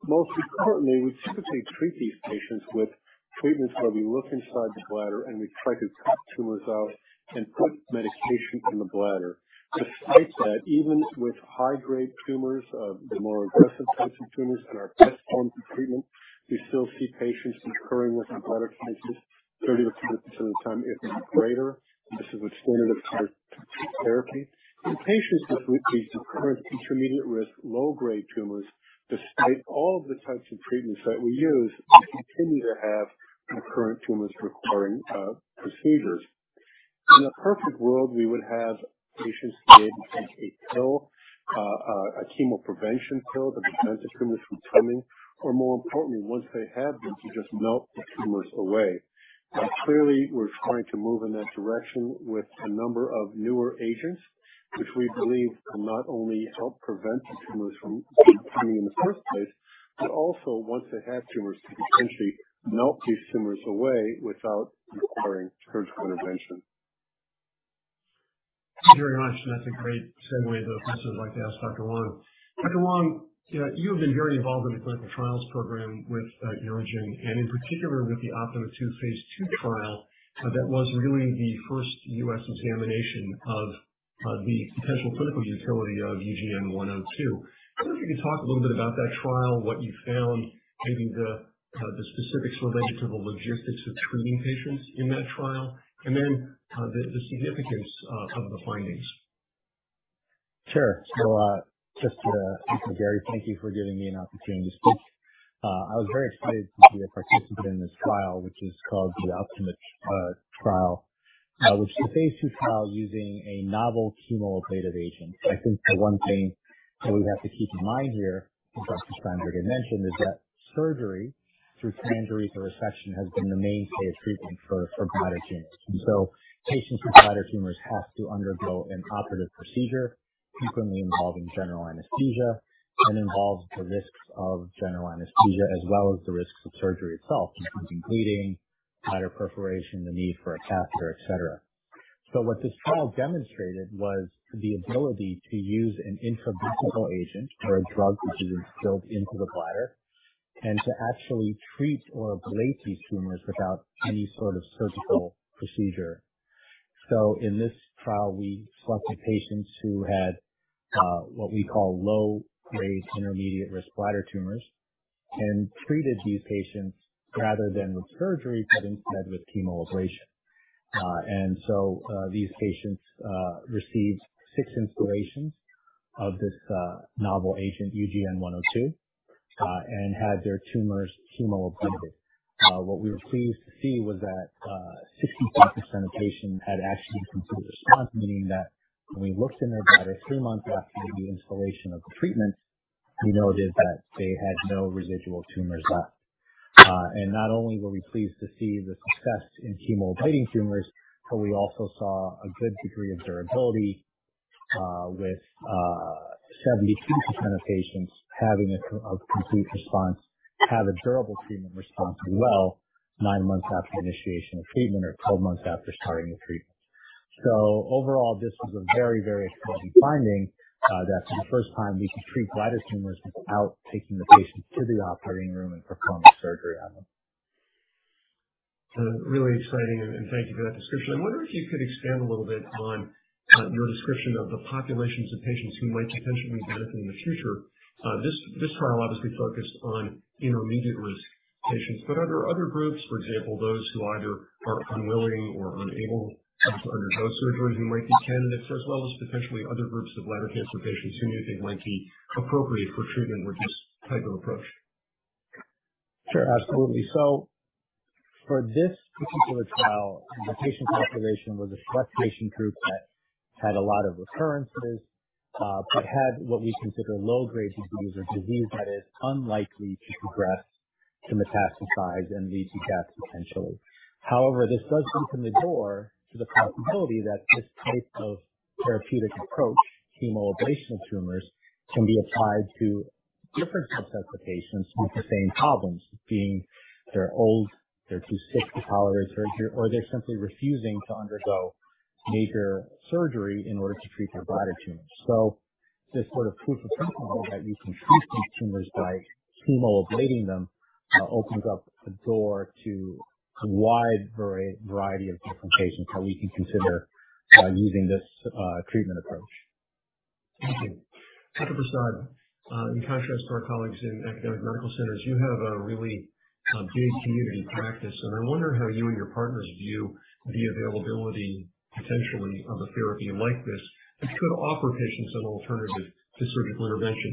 Most importantly, we typically treat these patients with treatments where we look inside the bladder and we try to cut tumors out and put medication in the bladder. Despite that, even with high-grade tumors, the more aggressive types of tumors and our best forms of treatment, we still see patients recurring with bladder cancers 30%-50% of the time, if not greater. This is with standard of care therapy. In patients with these recurrent intermediate-risk, low-grade tumors, despite all the types of treatments that we use, we continue to have recurrent tumors requiring procedures. In a perfect world, we would have patients be able to take a pill, a chemo prevention pill that prevents the tumors from coming, or more importantly, once they have them, to just melt the tumors away. Now, clearly, we're starting to move in that direction with a number of newer agents, which we believe will not only help prevent the tumors from coming in the first place, but also, once they have tumors, to potentially melt these tumors away without requiring surgical intervention.
Thank you very much. That's a great segue to the questions I'd like to ask Dr. Huang. Dr. Huang, you have been very involved in the clinical trials program with UroGen, and in particular with the OPTIMA II phase II trial, that was really the first U.S. examination of the potential clinical utility of UGN-102. I wonder if you could talk a little bit about that trial, what you found, maybe the specifics related to the logistics of treating patients in that trial, and then the significance of the findings.
Sure. Just to echo Gary, thank you for giving me an opportunity to speak. I was very excited to be a participant in this trial, which is called the Optima trial. It was a phase II trial using a novel chemoablative agent. I think the one thing that we have to keep in mind here, as Dr. Steinberg had mentioned, is that surgery through transurethral resection has been the mainstay of treatment for bladder cancer. Patients with bladder tumors have to undergo an operative procedure, frequently involving general anesthesia, and involves the risks of general anesthesia as well as the risks of surgery itself, including bleeding, bladder perforation, the need for a catheter, et cetera. What this trial demonstrated was the ability to use an intravesical agent or a drug, which is instilled into the bladder, and to actually treat or ablate these tumors without any sort of surgical procedure. In this trial, we selected patients who had what we call low-grade intermediate-risk bladder tumors and treated these patients rather than with surgery, but instead with chemoablation. These patients received six instillations of this novel agent, UGN-102, and had their tumors chemoablated. What we were pleased to see was that 65% of patients had actually a complete response, meaning that when we looked in their bladder three months after the instillation of the treatment, we noted that they had no residual tumors left. Not only were we pleased to see the success in chemoablating tumors, but we also saw a good degree of durability, with 72% of patients having a complete response have a durable treatment response as well, nine months after initiation of treatment or 12 months after starting the treatment. Overall, this was a very, very exciting finding that for the first time we could treat bladder tumors without taking the patient to the operating room and performing surgery on them.
Really exciting, thank you for that description. I wonder if you could expand a little bit on your description of the populations of patients who might potentially benefit in the future. This trial obviously focused on intermediate-risk patients. Are there other groups, for example, those who either are unwilling or unable to undergo surgery who might be candidates, as well as potentially other groups of bladder cancer patients who you think might be appropriate for treatment with this type of approach?
Sure. Absolutely. For this particular trial, the patient population was a select patient group that had a lot of recurrences, but had what we consider low-grade disease or disease that is unlikely to progress to metastasize and lead to death potentially. However, this does open the door to the possibility that this type of therapeutic approach, chemoablation of tumors, can be applied to different subsets of patients with the same problems, being they're old, they're too sick to tolerate surgery, or they're simply refusing to undergo major surgery in order to treat their bladder tumors. This sort of proof of principle that we can treat these tumors by chemoablating them opens up the door to a wide variety of different patients that we can consider using this treatment approach.
Thank you. Dr. Prasad, in contrast to our colleagues in academic medical centers, you have a really big community practice, and I wonder how you and your partners view the availability, potentially, of a therapy like this that could offer patients an alternative to surgical intervention.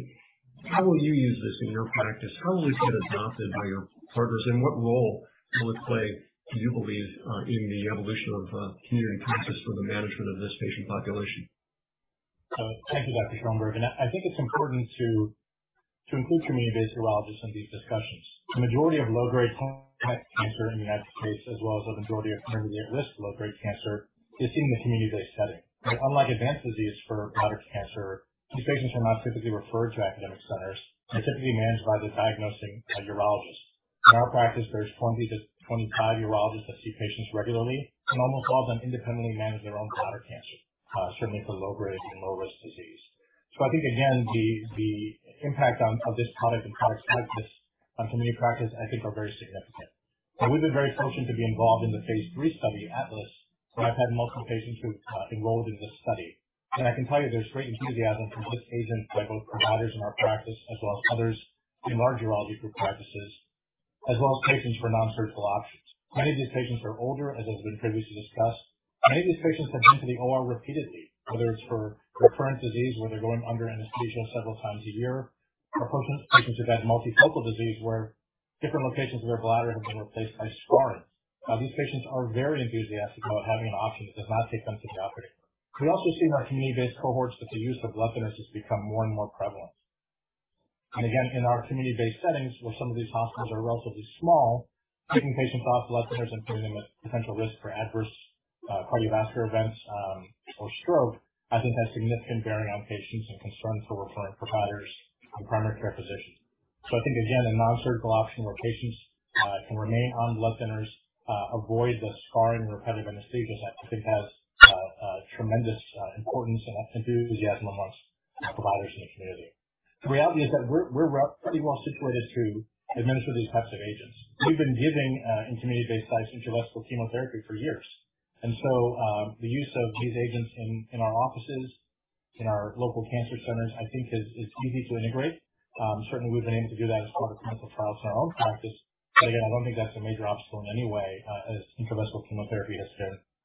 How will you use this in your practice? How will this get adopted by your partners, and what role will it play, do you believe, in the evolution of community practice for the management of this patient population?
Thank you, Dr. Steinberg. I think it's important to include community-based urologists in these discussions. The majority of low-grade bladder cancer in the United States, as well as a majority of intermediate-risk low-grade cancer, is seen in the community-based setting. Unlike advanced disease for bladder cancer, these patients are not typically referred to academic centers and typically managed by the diagnosing urologist. In our practice, there's 20-25 urologists that see patients regularly, and almost all of them independently manage their own bladder cancer, certainly for low-grade and low-risk disease. I think again, the impact of this product and products like this on community practice I think are very significant. We've been very fortunate to be involved in the phase III study ATLAS, where I've had multiple patients who enrolled in this study. I can tell you there's great enthusiasm for this agent by both providers in our practice as well as others in large urology group practices, as well as patients for non-surgical options. Many of these patients are older, as has been previously discussed. Many of these patients have been to the OR repeatedly, whether it's for recurrent disease, where they're going under anesthesia several times a year, or patients who've had multifocal disease where different locations of their bladder have been replaced by scarring. These patients are very enthusiastic about having an option that does not take them to the operating room. We also see in our community-based cohorts that the use of blood thinners has become more and more prevalent. Again, in our community-based settings where some of these hospitals are relatively small, taking patients off blood thinners and putting them at potential risk for adverse cardiovascular events or stroke, I think has significant bearing on patients and concerns for referring providers and primary care physicians. I think again, a non-surgical option where patients can remain on blood thinners, avoid the scarring, repetitive anesthesias, I think has a tremendous importance and enthusiasm amongst providers in the community. The reality is that we're pretty well situated to administer these types of agents. We've been giving in community-based sites, intravesical chemotherapy for years. The use of these agents in our offices, in our local cancer centers, I think is easy to integrate. Certainly we've been able to do that as part of clinical trials in our own practice. Again, I don't think that's a major obstacle in any way as intravesical chemotherapy is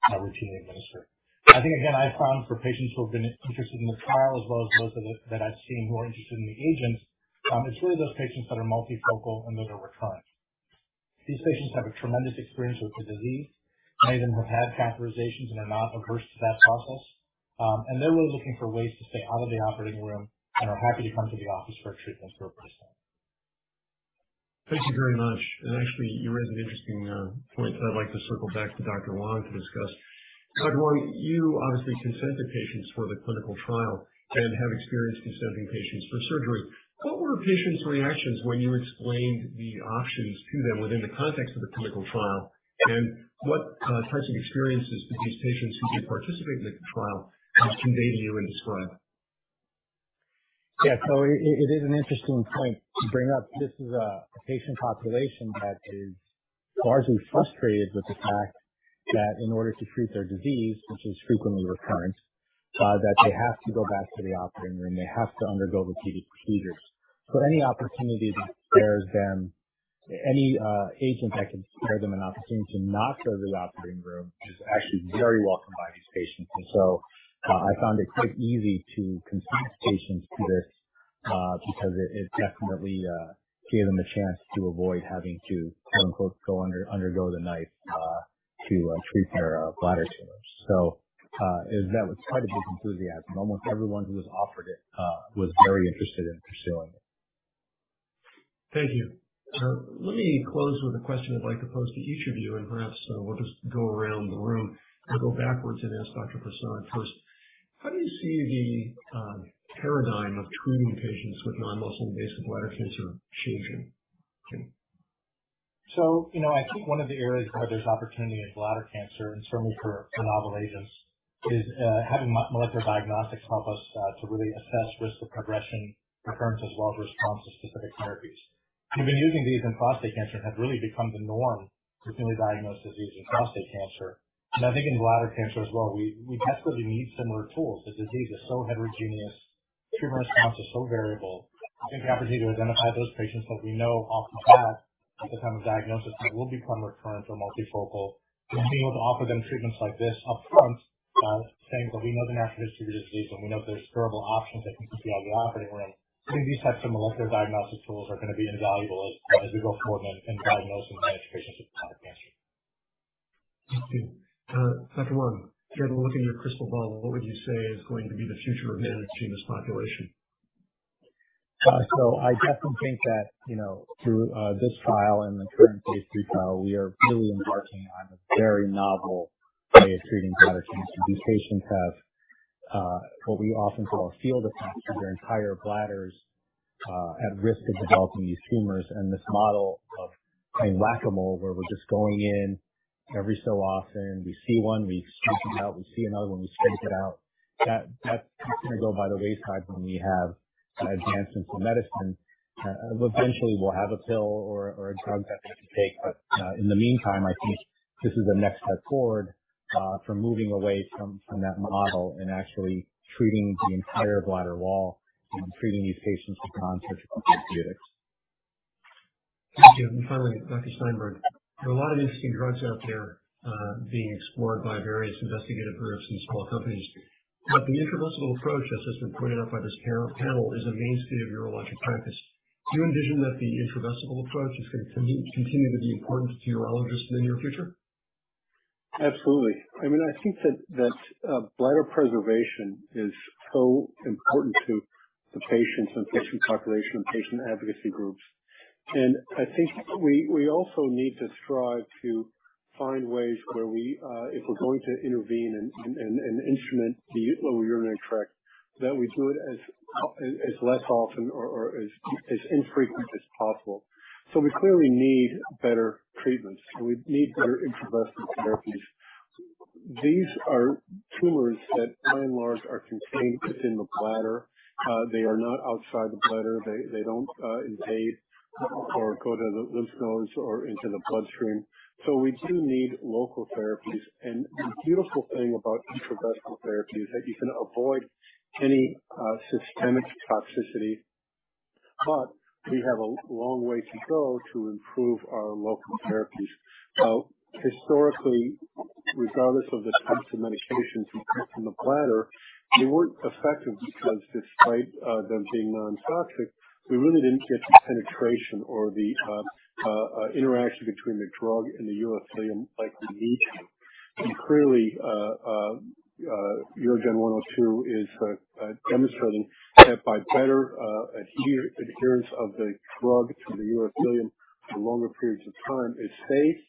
routinely administered. I think again, I found for patients who have been interested in the trial as well as those that I've seen who are interested in the agent, it's really those patients that are multifocal and those are recurrent. These patients have a tremendous experience with the disease. Many of them have had catheterizations and are not averse to that process. They're really looking for ways to stay out of the operating room and are happy to come to the office for a treatment for a brief second.
Thank you very much. Actually, you raise an interesting point that I'd like to circle back to Dr. Huang to discuss. Dr. Huang, you obviously consent the patients for the clinical trial and have experience consenting patients for surgery. What were patients' reactions when you explained the options to them within the context of the clinical trial? What types of experiences did these patients who did participate in the trial convey to you and describe?
Yeah. It is an interesting point to bring up. This is a patient population that is largely frustrated with the fact that in order to treat their disease, which is frequently recurrent, that they have to go back to the operating room, they have to undergo repeated procedures. Any opportunity that spares them any agent that can spare them an opportunity to not go to the operating room is actually very welcomed by these patients. I found it quite easy to consent patients to this because it definitely gave them a chance to avoid having to quote-unquote, "undergo the knife," to treat their bladder tumors. That was quite a bit of enthusiasm. Almost everyone who was offered it was very interested in pursuing it.
Thank you. Let me close with a question I'd like to pose to each of you, and perhaps we'll just go around the room. I'll go backwards and ask Dr. Prasad first. How do you see the paradigm of treating patients with non-muscle invasive bladder cancer changing?
You know, I think one of the areas where there's opportunity in bladder cancer and certainly for novel agents is having molecular diagnostics help us to really assess risk of progression, recurrence as well as response to specific therapies. We've been using these in prostate cancer that have really become the norm for newly diagnosed disease in prostate cancer. I think in bladder cancer as well, we desperately need similar tools. The disease is so heterogeneous, treatment response is so variable. I think the opportunity to identify those patients that we know off the bat at the time of diagnosis that will become recurrent or multifocal, and being able to offer them treatments like this upfront, saying that we know the natural history of the disease and we know that there's curable options that can keep you out of the operating room. I think these types of molecular diagnostic tools are going to be invaluable as we go forward in diagnosing and managing patients with bladder cancer.
Thank you. Dr. Huang, if you had to look in your crystal ball, what would you say is going to be the future of managing this population?
I definitely think that, you know, through this trial and the current phase III trial, we are really embarking on a very novel way of treating bladder cancer. These patients have what we often call a field effect, where their entire bladder is at risk of developing these tumors. This model of playing whack-a-mole, where we're just going in every so often, we see one, we scrape it out, we see another one, we scrape it out. That's going to go by the wayside when we have advancements in medicine. Eventually we'll have a pill or a drug that we can take. In the meantime, I think this is the next step forward from moving away from that model and actually treating the entire bladder wall and treating these patients with non-surgical therapeutics.
Thank you. Finally, Dr. Steinberg, there are a lot of interesting drugs out there, being explored by various investigative groups and small companies. But the intravesical approach, as has been pointed out by this panel, is a mainstay of urologic practice. Do you envision that the intravesical approach is going to continue to be important to urologists in the near future?
Absolutely. I mean, I think that bladder preservation is so important to the patients and patient population and patient advocacy groups. I think we also need to strive to find ways where we, if we're going to intervene and instrument the lower urinary tract, that we do it as as less often or as infrequent as possible. We clearly need better treatments. We need better intravesical therapies. These are tumors that by and large are contained within the bladder. They are not outside the bladder. They don't invade or go to the lymph nodes or into the bloodstream. We do need local therapies. The beautiful thing about intravesical therapy is that you can avoid any systemic toxicity, but we have a long way to go to improve our local therapies. Historically, regardless of the types of medications we put in the bladder, they weren't effective because despite them being non-toxic, we really didn't get the penetration or the interaction between the drug and the urothelium like we need to. Clearly, UGN-102 is demonstrating that by better adherence of the drug to the urothelium for longer periods of time, it's safe,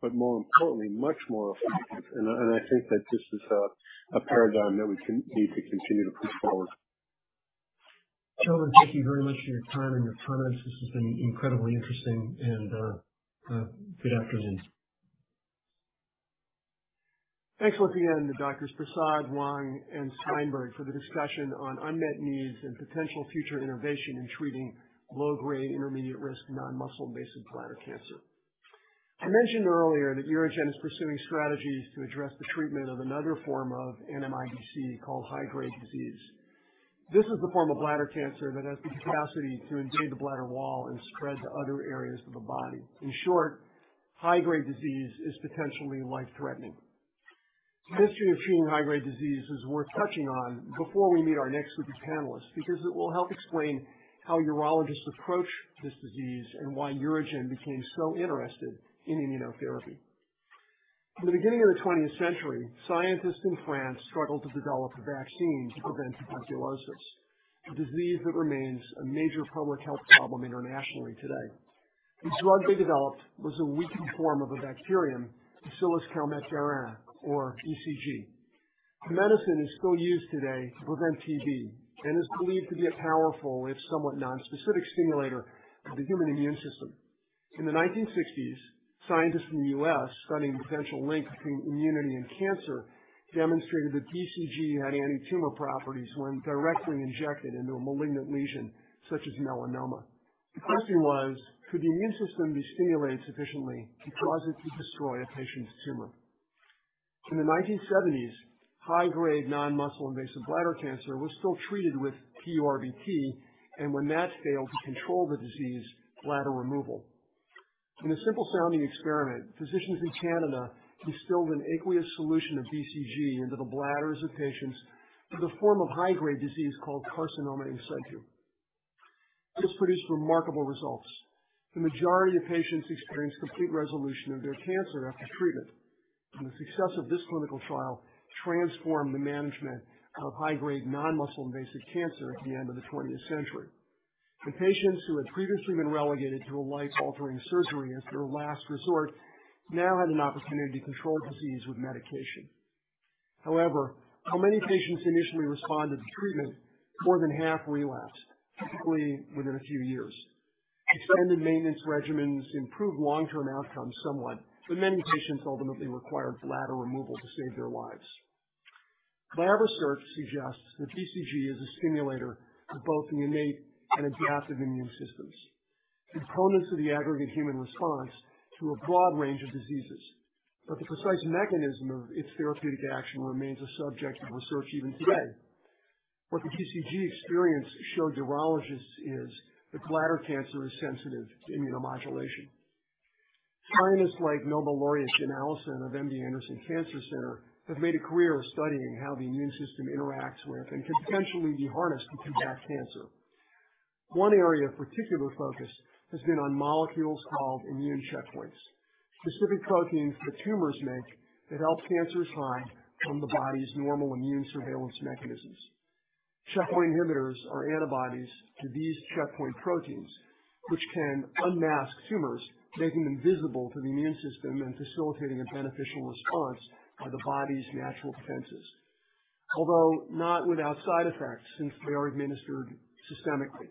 but more importantly, much more effective. I think that this is a paradigm that we can need to continue to push forward.
Gentlemen, thank you very much for your time and your comments. This has been incredibly interesting and good afternoon. Thanks once again to Doctors Prasad, Wang, and Steinberg for the discussion on unmet needs and potential future innovation in treating low-grade intermediate risk non-muscle invasive bladder cancer. I mentioned earlier that UroGen is pursuing strategies to address the treatment of another form of NMIBC called high-grade disease. This is the form of bladder cancer that has the capacity to invade the bladder wall and spread to other areas of the body. In short, high-grade disease is potentially life-threatening. The history of treating high-grade disease is worth touching on before we meet our next group of panelists because it will help explain how urologists approach this disease and why UroGen became so interested in immunotherapy. In the beginning of the twentieth century, scientists in France struggled to develop a vaccine to prevent tuberculosis, a disease that remains a major public health problem internationally today. The drug they developed was a weakened form of a bacterium, Bacillus Calmette-Guérin, or BCG. The medicine is still used today to prevent TB and is believed to be a powerful, if somewhat non-specific, stimulator of the human immune system. In the 1960s, scientists in the U.S. studying potential links between immunity and cancer demonstrated that BCG had anti-tumor properties when directly injected into a malignant lesion such as melanoma. The question was, could the immune system be stimulated sufficiently to cause it to destroy a patient's tumor? In the 1970s, high-grade non-muscle invasive bladder cancer was still treated with TURBT, and when that failed to control the disease, bladder removal. In a simple-sounding experiment, physicians in Canada instilled an aqueous solution of BCG into the bladders of patients with a form of high-grade disease called carcinoma in situ. This produced remarkable results. The majority of patients experienced complete resolution of their cancer after treatment, and the success of this clinical trial transformed the management of high-grade non-muscle invasive cancer at the end of the twentieth century. The patients who had previously been relegated to a life-altering surgery as their last resort now had an opportunity to control disease with medication. However, while many patients initially respond to the treatment, more than half relapse, typically within a few years. Expanded maintenance regimens improve long-term outcomes somewhat, but many patients ultimately require bladder removal to save their lives. Lab research suggests that BCG is a stimulator of both the innate and adaptive immune systems, components of the aggregate human response to a broad range of diseases. The precise mechanism of its therapeutic action remains a subject of research even today. What the BCG experience showed urologists is that bladder cancer is sensitive to immunomodulation. Scientists like Nobel Laureate Jim Allison of MD Anderson Cancer Center have made a career of studying how the immune system interacts with and can potentially be harnessed to combat cancer. One area of particular focus has been on molecules called immune checkpoints, specific proteins that tumors make that help cancers hide from the body's normal immune surveillance mechanisms. Checkpoint inhibitors are antibodies to these checkpoint proteins, which can unmask tumors, making them visible to the immune system and facilitating a beneficial response by the body's natural defenses. Although not without side effects, since they are administered systemically,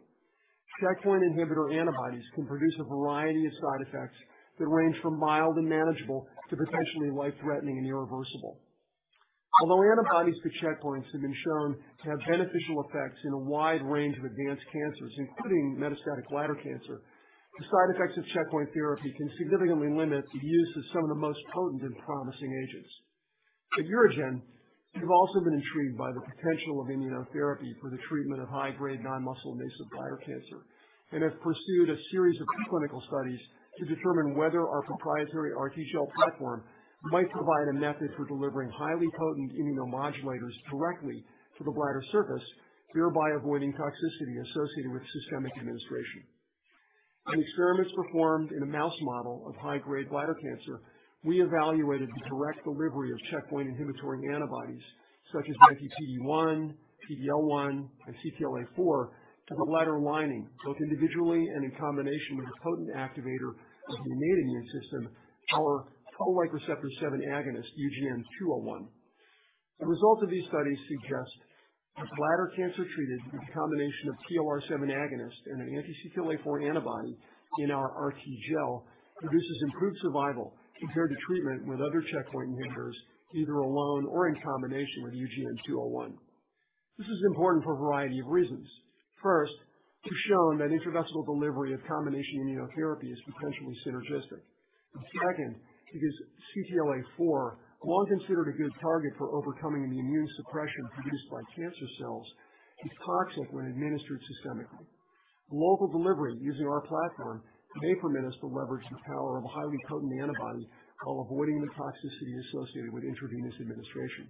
checkpoint inhibitor antibodies can produce a variety of side effects that range from mild and manageable to potentially life-threatening and irreversible. Although antibodies to checkpoints have been shown to have beneficial effects in a wide range of advanced cancers, including metastatic bladder cancer, the side effects of checkpoint therapy can significantly limit the use of some of the most potent and promising agents. At UroGen, we've also been intrigued by the potential of immunotherapy for the treatment of high-grade non-muscle invasive bladder cancer and have pursued a series of preclinical studies to determine whether our proprietary RTGel platform might provide a method for delivering highly potent immunomodulators directly to the bladder surface, thereby avoiding toxicity associated with systemic administration. In experiments performed in a mouse model of high-grade bladder cancer, we evaluated the direct delivery of checkpoint inhibitory antibodies such as anti-PD-1, PD-L1, and CTLA-4 to the bladder lining, both individually and in combination with a potent activator of the innate immune system, our toll-like receptor seven agonist, UGN-201. The results of these studies suggest that bladder cancer treated with a combination of TLR7 agonist and an anti-CTLA-4 antibody in our RTGel produces improved survival compared to treatment with other checkpoint inhibitors, either alone or in combination with UGN-201. This is important for a variety of reasons. First, we've shown that intravesical delivery of combination immunotherapy is potentially synergistic. Second, because CTLA-4, long considered a good target for overcoming the immune suppression produced by cancer cells, is toxic when administered systemically. Local delivery using our platform may permit us to leverage the power of a highly potent antibody while avoiding the toxicity associated with intravenous administration.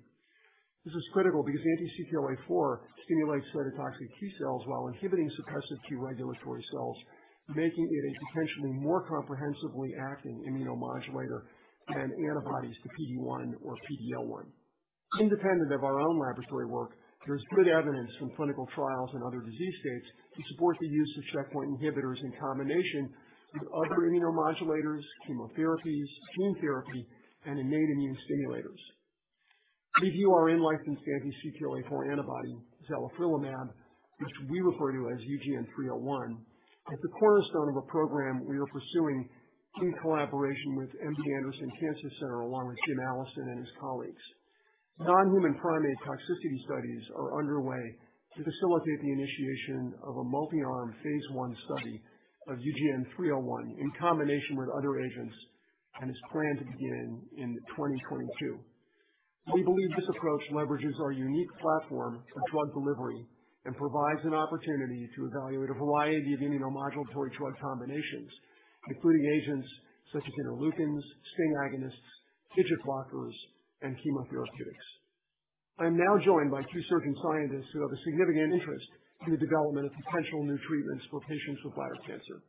This is critical because anti-CTLA-4 stimulates cytotoxic T-cells while inhibiting suppressive T-regulatory cells, making it a potentially more comprehensively acting immunomodulator than antibodies to PD-1 or PD-L1. Independent of our own laboratory work, there's good evidence from clinical trials in other disease states to support the use of checkpoint inhibitors in combination with other immunomodulators, chemotherapies, gene therapy, and innate immune stimulators. We view our in-licensed anti-CTLA4 antibody, zalifrelimab, which we refer to as UGN-301, as the cornerstone of a program we are pursuing in collaboration with MD Anderson Cancer Center, along with Jim Allison and his colleagues. Non-human primate toxicity studies are underway to facilitate the initiation of a multi-arm phase I study of UGN-301 in combination with other agents, and is planned to begin in 2022. We believe this approach leverages our unique platform for drug delivery and provides an opportunity to evaluate a variety of immunomodulatory drug combinations, including agents such as interleukins, STING agonists, Hedgehog blockers, and chemotherapeutics. I'm now joined by two certain scientists who have a significant interest in the development of potential new treatments for patients with bladder cancer.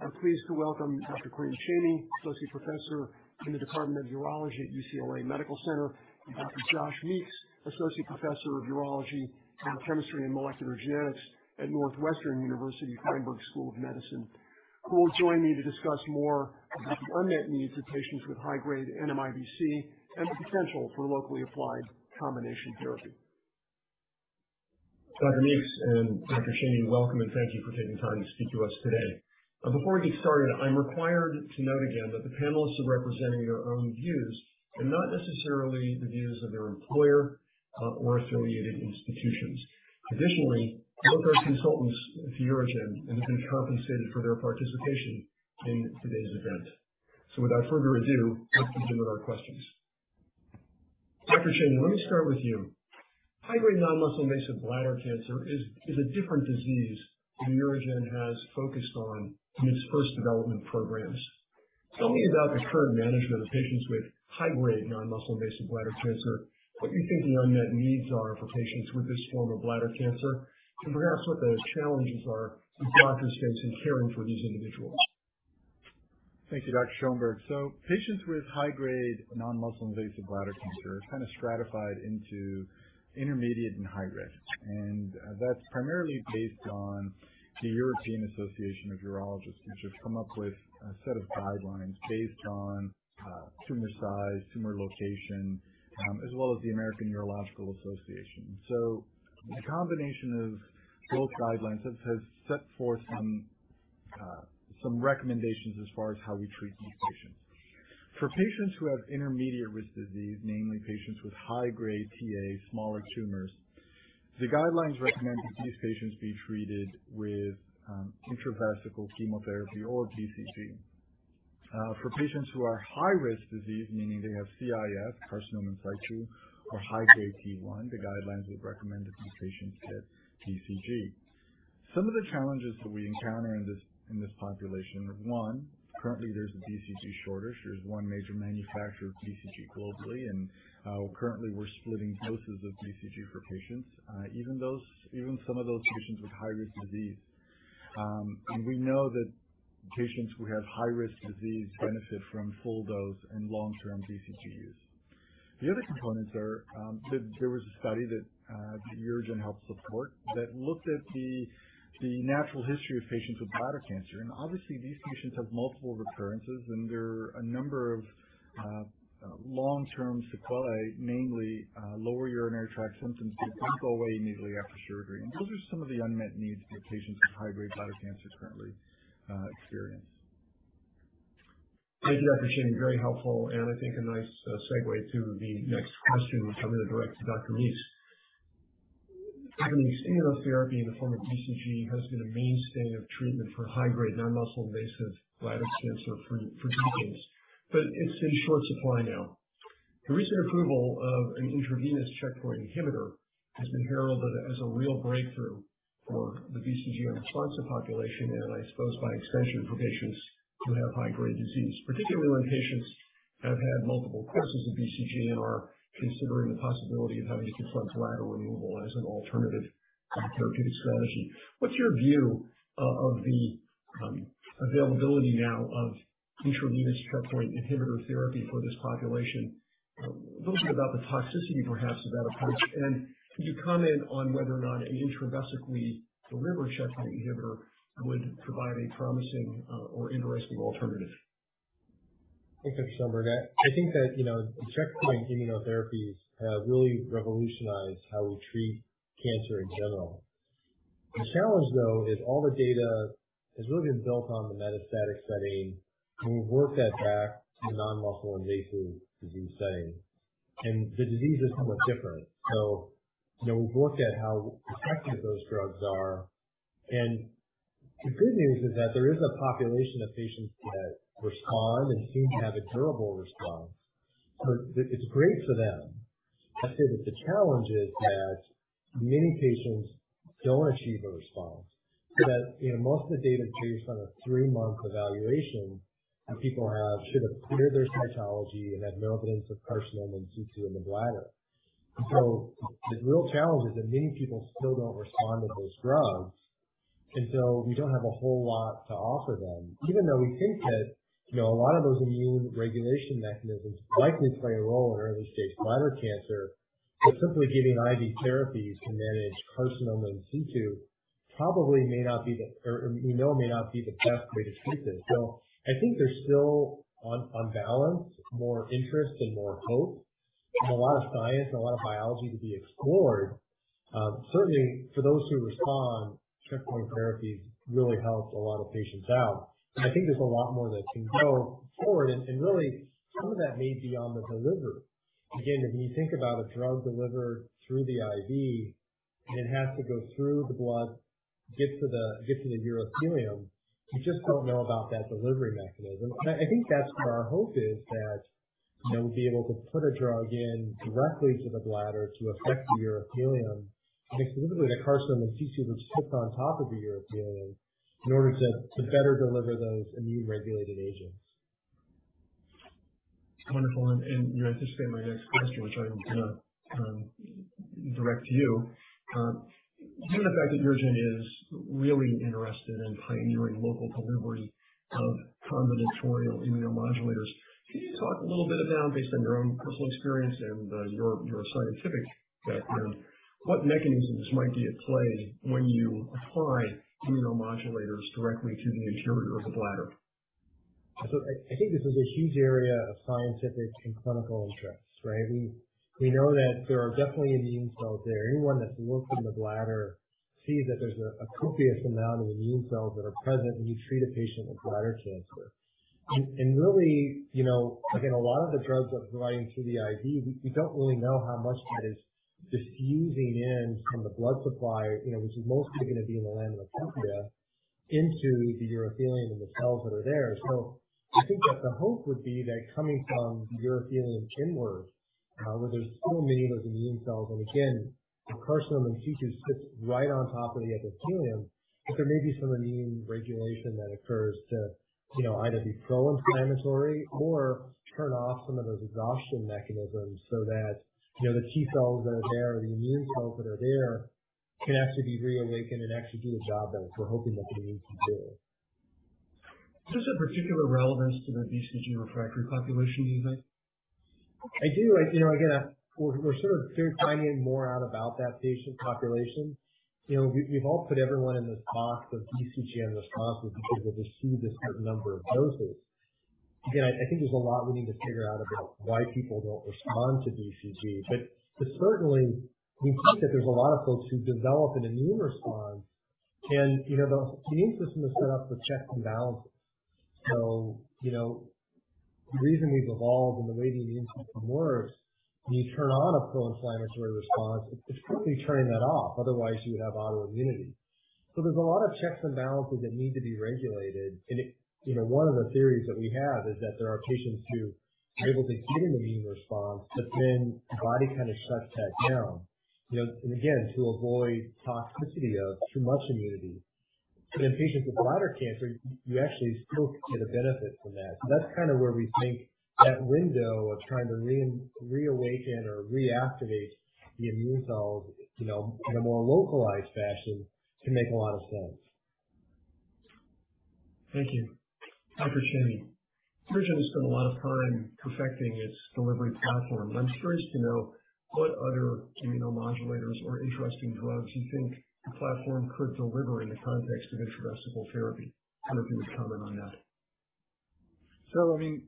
I'm pleased to welcome Dr. Karim Chamie, Associate Professor in the Department of Urology at UCLA Medical Center, and Dr. Josh Meeks, Associate Professor of Urology, Biochemistry, and Molecular Genetics at Northwestern University Feinberg School of Medicine, who will join me to discuss more of the unmet needs of patients with high-grade NMIBC and the potential for locally applied combination therapy. Dr. Meeks and Dr. Chamie, welcome and thank you for taking time to speak to us today. Before we get started, I'm required to note again that the panelists are representing their own views and not necessarily the views of their employer or affiliated institutions. Additionally, both are consultants for UroGen and have been compensated for their participation in today's event. Without further ado, let's begin with our questions. Dr. Chamie, let me start with you. High-grade non-muscle invasive bladder cancer is a different disease than UroGen has focused on in its first development programs. Tell me about the current management of patients with high-grade non-muscle invasive bladder cancer, what you think the unmet needs are for patients with this form of bladder cancer, and perhaps what the challenges are that doctors face in caring for these individuals?
Thank you, Dr. Schoenberg. Patients with high-grade non-muscle invasive bladder cancer are kind of stratified into intermediate and high risk, and that's primarily based on the European Association of Urology, which have come up with a set of guidelines based on tumor size, tumor location, as well as the American Urological Association. The combination of both guidelines has set forth some recommendations as far as how we treat these patients. For patients who have intermediate-risk disease, namely patients with high-grade Ta smaller tumors, the guidelines recommend that these patients be treated with intravesical chemotherapy or BCG. For patients who are high-risk disease, meaning they have CIS, carcinoma in situ or high-grade T1, the guidelines would recommend that these patients get BCG. Some of the challenges that we encounter in this population are, one, currently there's a BCG shortage. There's one major manufacturer of BCG globally, and currently we're splitting doses of BCG for patients, even some of those patients with high-risk disease. We know that patients who have high-risk disease benefit from full dose and long-term BCG use. The other components are, there was a study that UroGen helped support that looked at the natural history of patients with bladder cancer. Obviously these patients have multiple recurrences and there are a number of long-term sequelae, mainly lower urinary tract symptoms that don't go away immediately after surgery. Those are some of the unmet needs that patients with high-grade bladder cancer currently experience.
Thank you, Dr. Chamie. Very helpful, and I think a nice segue to the next question, which I'm going to direct to Dr. Meeks. Currently, standard of therapy in the form of BCG has been a mainstay of treatment for high-grade non-muscle invasive bladder cancer for decades, but it's in short supply now. The recent approval of an intravenous checkpoint inhibitor has been heralded as a real breakthrough for the BCG-unresponsive population and I suppose by extension for patients who have high-grade disease, particularly when patients have had multiple courses of BCG and are considering the possibility of having complete bladder removal as an alternative therapeutic strategy. What's your view of the availability now of intravenous checkpoint inhibitor therapy for this population? A little bit about the toxicity perhaps of that approach. Can you comment on whether or not an intravesically delivered checkpoint inhibitor would provide a promising or interesting alternative?
Thanks, Dr. Schoenberg. I think that, you know, checkpoint immunotherapies have really revolutionized how we treat cancer in general. The challenge, though, is all the data has really been built on the metastatic setting, and we've worked that back to the non-muscle invasive disease setting, and the disease is somewhat different. You know, we've looked at how effective those drugs are, and the good news is that there is a population of patients that respond and seem to have a durable response. It's great for them. I'd say that the challenge is that many patients don't achieve a response. That, you know, most of the data is based on a three-month evaluation that people should have cleared their cytology and had no evidence of carcinoma in situ in the bladder. The real challenge is that many people still don't respond to those drugs, and so we don't have a whole lot to offer them. Even though we think that, you know, a lot of those immune regulation mechanisms likely play a role in early-stage bladder cancer, but simply giving IV therapies to manage carcinoma in situ probably may not be or, you know, may not be the best way to treat this. I think there's still on balance, more interest and more hope, and a lot of science and a lot of biology to be explored. Certainly for those who respond, checkpoint therapies really helps a lot of patients out. I think there's a lot more that can go forward, and really some of that may be on the delivery. Again, if you think about a drug delivered through the IV, and it has to go through the blood, get to the urothelium, we just don't know about that delivery mechanism. I think that's where our hope is that, you know, we'll be able to put a drug in directly to the bladder to affect the urothelium. I think specifically the carcinoma in situ, which sits on top of the urothelium, in order to better deliver those immune-regulated agents.
Wonderful. You anticipate my next question, which I'm gonna direct to you. Given the fact that UroGen is really interested in pioneering local delivery of combinatorial immunomodulators, can you talk a little bit about, based on your own personal experience and your scientific background, what mechanisms might be at play when you apply immunomodulators directly to the interior of the bladder?
I think this is a huge area of scientific and clinical interest, right? We know that there are definitely immune cells there. Anyone that's looked in the bladder sees that there's a copious amount of immune cells that are present when you treat a patient with bladder cancer. Really, you know, again, a lot of the drugs that provide through the IV, we don't really know how much that is diffusing in from the blood supply, you know, which is mostly gonna be in the lamina propria into the urothelium and the cells that are there. I think that the hope would be that coming from the urothelium inward, where there's so many of those immune cells, and again, the carcinoma in situ sits right on top of the epithelium, that there may be some immune regulation that occurs to, you know, either be pro-inflammatory or turn off some of those exhaustion mechanisms so that, you know, the T cells that are there or the immune cells that are there can actually be reawakened and actually do the job that we're hoping that they need to do.
Is this of particular relevance to the BCG refractory population, do you think?
I do. I you know again we're sort of figuring more out about that patient population. You know we've all put everyone in this box of BCG unresponsiveness because we'll just do this certain number of doses. Again I think there's a lot we need to figure out about why people don't respond to BCG. Certainly we think that there's a lot of folks who develop an immune response. You know the immune system is set up with checks and balances. You know the reason we've evolved and the way the immune system works, when you turn on a pro-inflammatory response, it's quickly turning that off. Otherwise you would have autoimmunity. There's a lot of checks and balances that need to be regulated. It, you know, one of the theories that we have is that there are patients who are able to get an immune response, but then the body kind of shuts that down. You know, again, to avoid toxicity of too much immunity. In patients with bladder cancer, you actually still get a benefit from that. That's kind of where we think that window of trying to reawaken or reactivate the immune cells, you know, in a more localized fashion can make a lot of sense.
Thank you. Dr. Chamie, UroGen has spent a lot of time perfecting its delivery platform. I'm curious to know what other immunomodulators or interesting drugs you think the platform could deliver in the context of intravesical therapy. I don't know if you would comment on that.
I mean,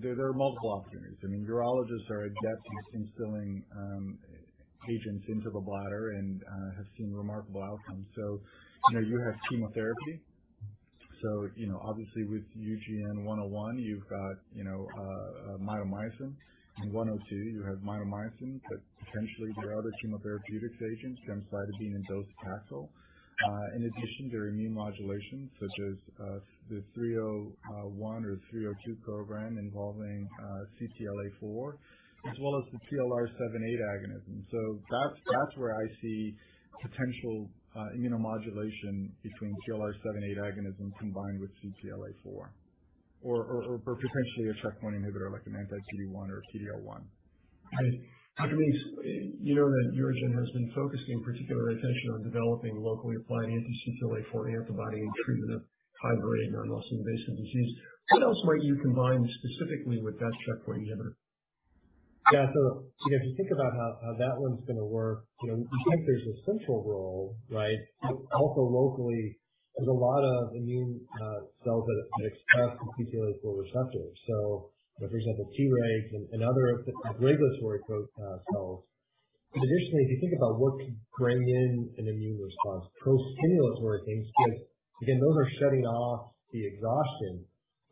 there are multiple opportunities. I mean, urologists are adept at instilling agents into the bladder and have seen remarkable outcomes. You know, you have chemotherapy. You know, obviously with UGN-101, you've got, you know, mitomycin. In UGN-102, you have mitomycin, but potentially there are other chemotherapeutic agents, gemcitabine and docetaxel. In addition, there are immune modulations such as the UGN-201 or UGN-301 program involving CTLA-4 as well as the TLR7/8 agonism. That's where I see potential immunomodulation between TLR7/8 agonism combined with CTLA-4.
Potentially a checkpoint inhibitor like an anti-PD-1 or CTLA4. Dr. Meeks, you know that UroGen has been focusing particular attention on developing locally applied anti-CTLA-4 antibody in treatment of high-risk or muscle-invasive disease. What else might you combine specifically with that checkpoint inhibitor?
Yeah. Again, if you think about how that one's gonna work, you know, you think there's a central role, right? Also locally, there's a lot of immune cells that express CTLA4 receptors. For example, Tregs and other regulatory cells. Additionally, if you think about what could bring in an immune response, pro-stimulatory things, because again, those are shutting off the exhaustion.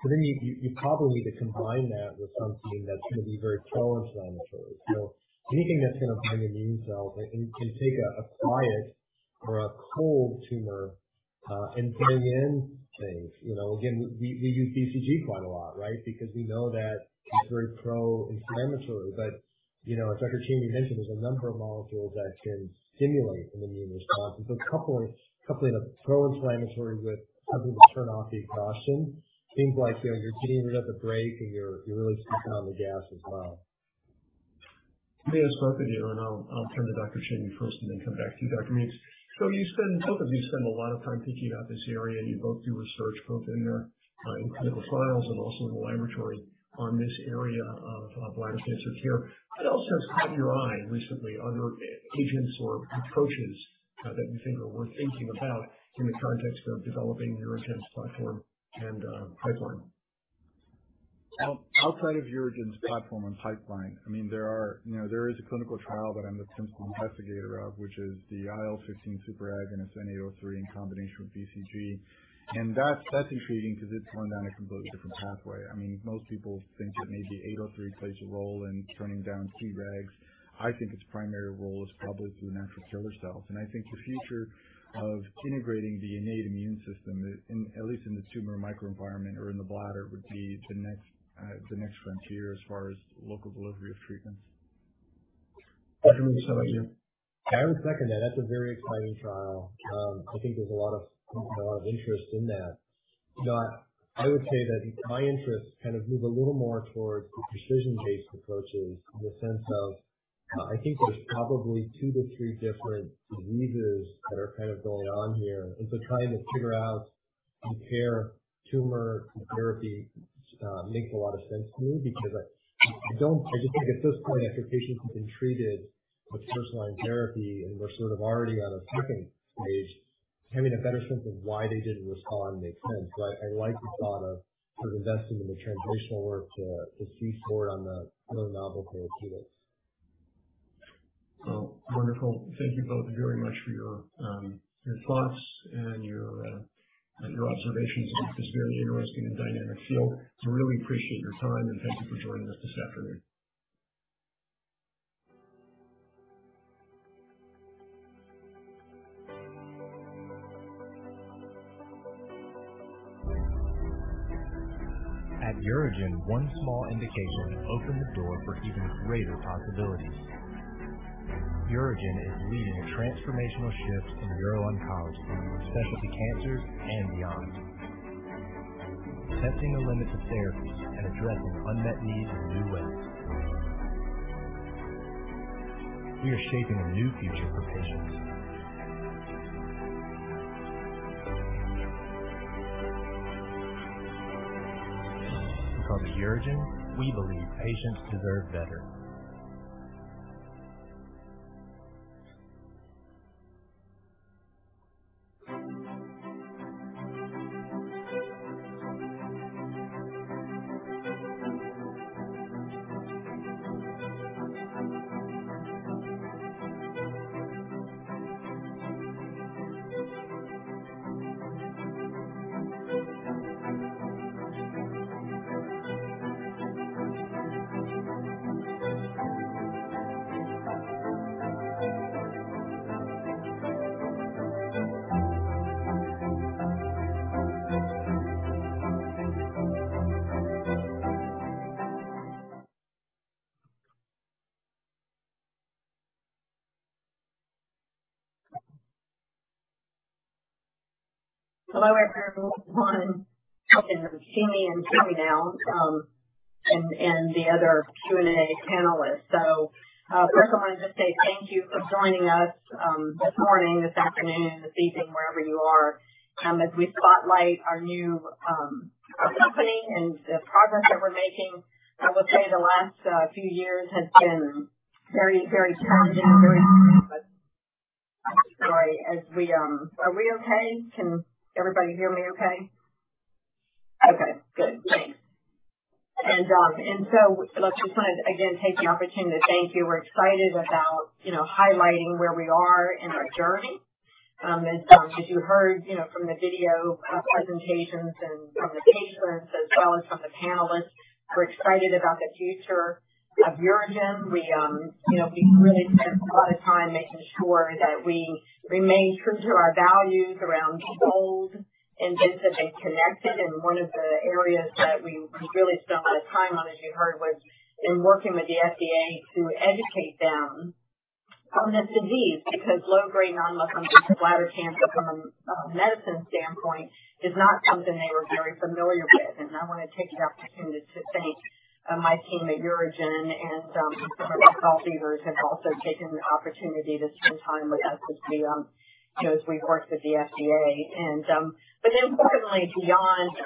To me, you probably need to combine that with something that's gonna be very pro-inflammatory. Anything that's gonna bring immune cells and take a quiet or a cold tumor and bring in things. Again, we use BCG quite a lot, right? Because we know that it's very pro-inflammatory. You know, as Dr. Chamie mentioned, there's a number of molecules that can stimulate an immune response. Coupling the pro-inflammatory with something to turn off the exhaustion seems like, you know, you're giving it as a break, and you're really stepping on the gas as well.
Let me ask both of you, and I'll turn to Dr. Chamie first and then come back to you, Dr. Meeks. You both spend a lot of time thinking about this area. You both do research, both in clinical trials and also in the laboratory on this area of bladder cancer care. What else has caught your eye recently on your agents or approaches that you think are worth thinking about in the context of developing UroGen's platform and pipeline?
Outside of UroGen's platform and pipeline, I mean, you know, there is a clinical trial that I'm the principal investigator of, which is the IL-15 superagonist N-803 in combination with BCG. That's intriguing 'cause it's going down a completely different pathway. I mean, most people think that maybe 803 plays a role in turning down Tregs. I think its primary role is probably through natural killer cells. I think the future of integrating the innate immune system in, at least in the tumor microenvironment or in the bladder, would be the next frontier as far as local delivery of treatments.
Dr. Meeks, how about you?
I would second that. That's a very exciting trial. I think there's a lot of interest in that. You know, I would say that my interests kind of move a little more towards the precision-based approaches in the sense of I think there's probably two to three different diseases that are kind of going on here. Trying to figure out and pair tumor to therapy makes a lot of sense to me because I just think at this point, after patients have been treated with first-line therapy and we're sort of already on a second stage, having a better sense of why they didn't respond makes sense. I like the thought of investing in the translational work to see score on the other novel co-stimulators.
Well, wonderful. Thank you both very much for your thoughts and your observations in this very interesting and dynamic field. I really appreciate your time, and thank you for joining us this afternoon.
At UroGen, one small indication opened the door for even greater possibilities. UroGen is leading a transformational shift in uro-oncology, specialty cancers and beyond. Testing the limits of therapies and addressing unmet needs in new ways. We are shaping a new future for patients. Because at UroGen, we believe patients deserve better.
Hello everyone. Can you see me and hear me now, and the other Q&A panelists. First I wanna just say thank you for joining us, this morning, this afternoon, this evening, wherever you are, as we spotlight our company and the progress that we're making. I will say the last few years has been very challenging. Very, I'm sorry. Are we okay? Can everybody hear me okay? Okay, good. Thanks. Let's just, again, take the opportunity to thank you. We're excited about, you know, highlighting where we are in our journey. As you heard, you know, from the video presentations and from the patients as well as from the panelists, we're excited about the future of UroGen. We, you know, we've really spent a lot of time making sure that we remain true to our values around bold and vivid and connected. One of the areas that we really spent a lot of time on, as you heard, was in working with the FDA to educate them on this disease, because low-grade non-muscle invasive bladder cancer from a medicine standpoint is not something they were very familiar with. I wanna take the opportunity to thank my team at UroGen and some of our thought leaders have also taken the opportunity to spend time with us as we, you know, as we worked with the FDA. But then importantly, beyond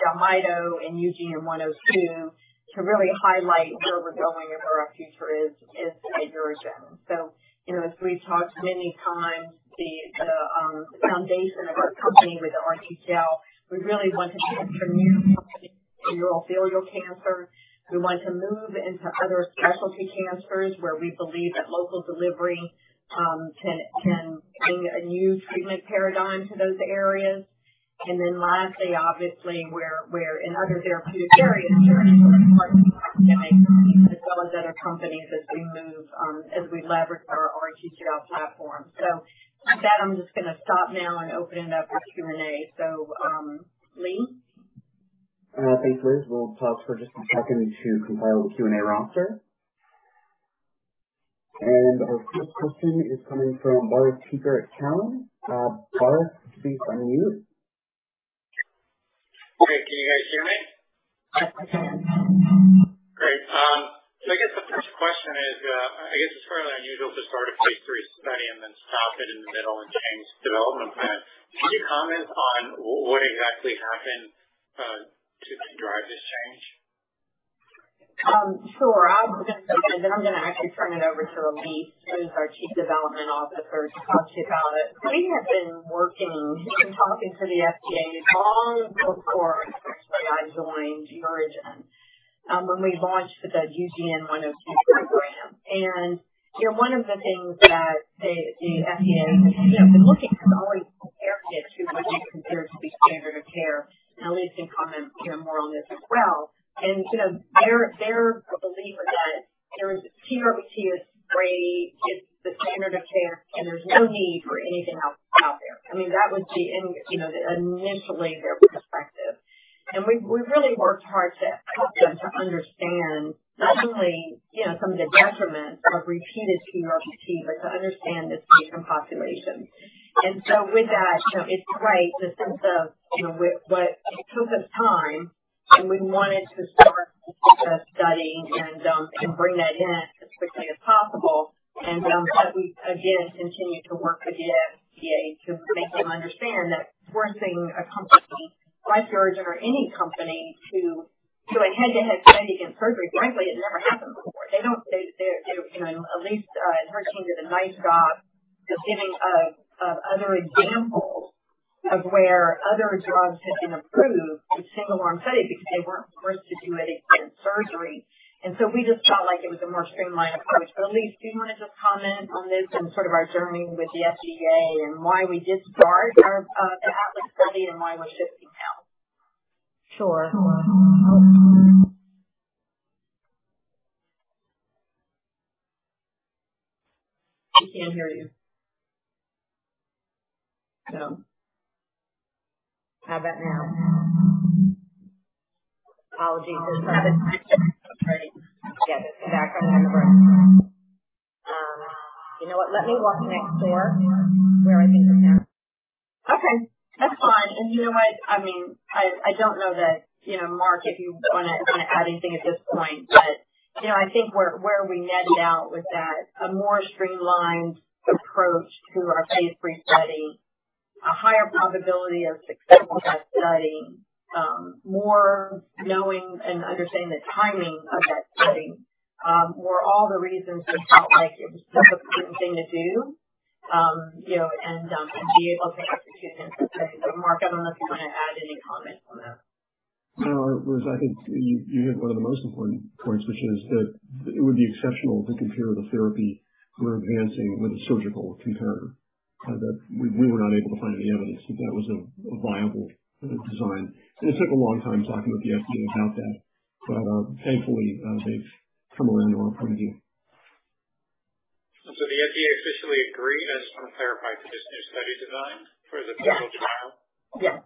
Jelmyto and UGN-102, to really highlight where we're going and where our future is at UroGen. As we've talked many times, the foundation of our company with the RTGel, we really want to treat urothelial cancer. We want to move into other specialty cancers where we believe that local delivery can bring a new treatment paradigm to those areas. Lastly, obviously we're in other therapeutic areas where we work hard as well as other companies as we move, as we leverage our RTGel platform. With that, I'm just gonna stop now and open it up for Q&A. Lee?
Thanks, Liz. We'll pause for just a second to compile the Q&A roster. Our first question is coming from Boris Peaker at Cowen. Boris, please unmute.
Okay. Can you guys hear me?
Yes.
Great. I guess the first question is, I guess it's fairly unusual to start a phase III study and then stop it in the middle and change development plan. Can you comment on what exactly happened, to drive this change?
Sure. I'll begin, and then I'm gonna actually turn it over to Elyse, who is our Chief Development Officer, to talk to you about it. We have been working and talking to the FDA long before actually I joined UroGen, when we launched with the UGN-102 program. One of the things that the FDA has, you know, been looking is always compared to what they consider to be standard of care. Elyse can comment, you know, more on this as well. You know, their belief is that TURBT with grade is the standard of care, and there's no need for anything else out there. I mean, that would be, you know, initially their perspective. We've really worked hard to help them understand not only, you know, some of the detriments of repeated TURBT, but to understand it's different populations. With that, you know, it's right, the sense of, it took us time, and we wanted to start the study and bring that in as quickly as possible. We again continued to work with the FDA to make them understand that forcing a company like UroGen or any company to, doing head-to-head study against surgery, frankly, it never happened before. They're, you know, Elyse and her team did a nice job of giving of other examples of where other drugs have been approved with single-arm studies because they weren't forced to do it against surgery. We just felt like it was a more streamlined approach. Elyse, do you wanna just comment on this and sort of our journey with the FDA and why we discard our the ATLAS study and why we're shifting now?
Sure.
We can't hear you. No.
How about now? Apologies. There's private construction starting just back behind the building. You know what? Let me walk next door where I can hear.
Okay. That's fine.
You know what? I mean, I don't know that, you know, Mark, if you wanna add anything at this point, but, you know, I think where we netted out was that a more streamlined approach to our phase III study, a higher probability of successful study, more knowing and understanding the timing of that study, were all the reasons we felt like it was just the prudent thing to do, you know, and be able to execute it. Mark, I don't know if you wanna add any comment on that.
No. I think you hit one of the most important points, which is that it would be exceptional to compare the therapy we're advancing with a surgical comparator. That we were not able to find any evidence that that was a viable design. It took a long time talking with the FDA about that, but thankfully, they've come around to our point of view.
The FDA officially agreed, as you want to clarify, to this new study design for the single gel?
Yes.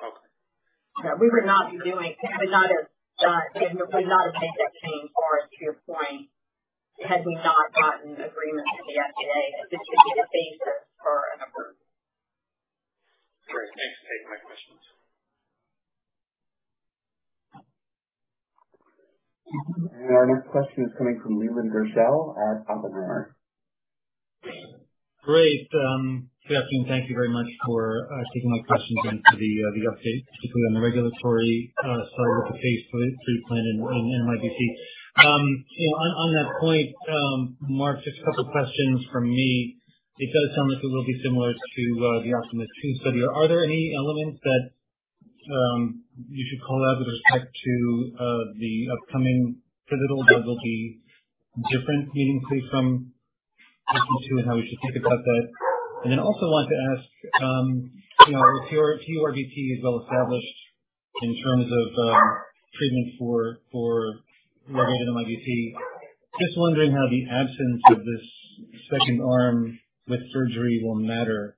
Okay.
We would not have made that change, Boris, to your point, had we not gotten the agreement from the FDA that this would be the basis for an approval.
Great. Thanks for taking my questions.
Our next question is coming from Leland Gershell at Oppenheimer.
Great. Good afternoon. Thank you very much for taking my questions and for the update, particularly on the regulatory study with the phase III plan in mitomycin. You know, on that point, Mark, just a couple questions from me. It does sound like it will be similar to the OPTIMA II study. Are there any elements that you should call out with respect to the upcoming pivotal that will be different meaningfully from OPTIMA II and how we should think about that? I wanted to ask, you know, if your TURBT is well established in terms of treatment for related MIT. Just wondering how the absence of this second arm with surgery will matter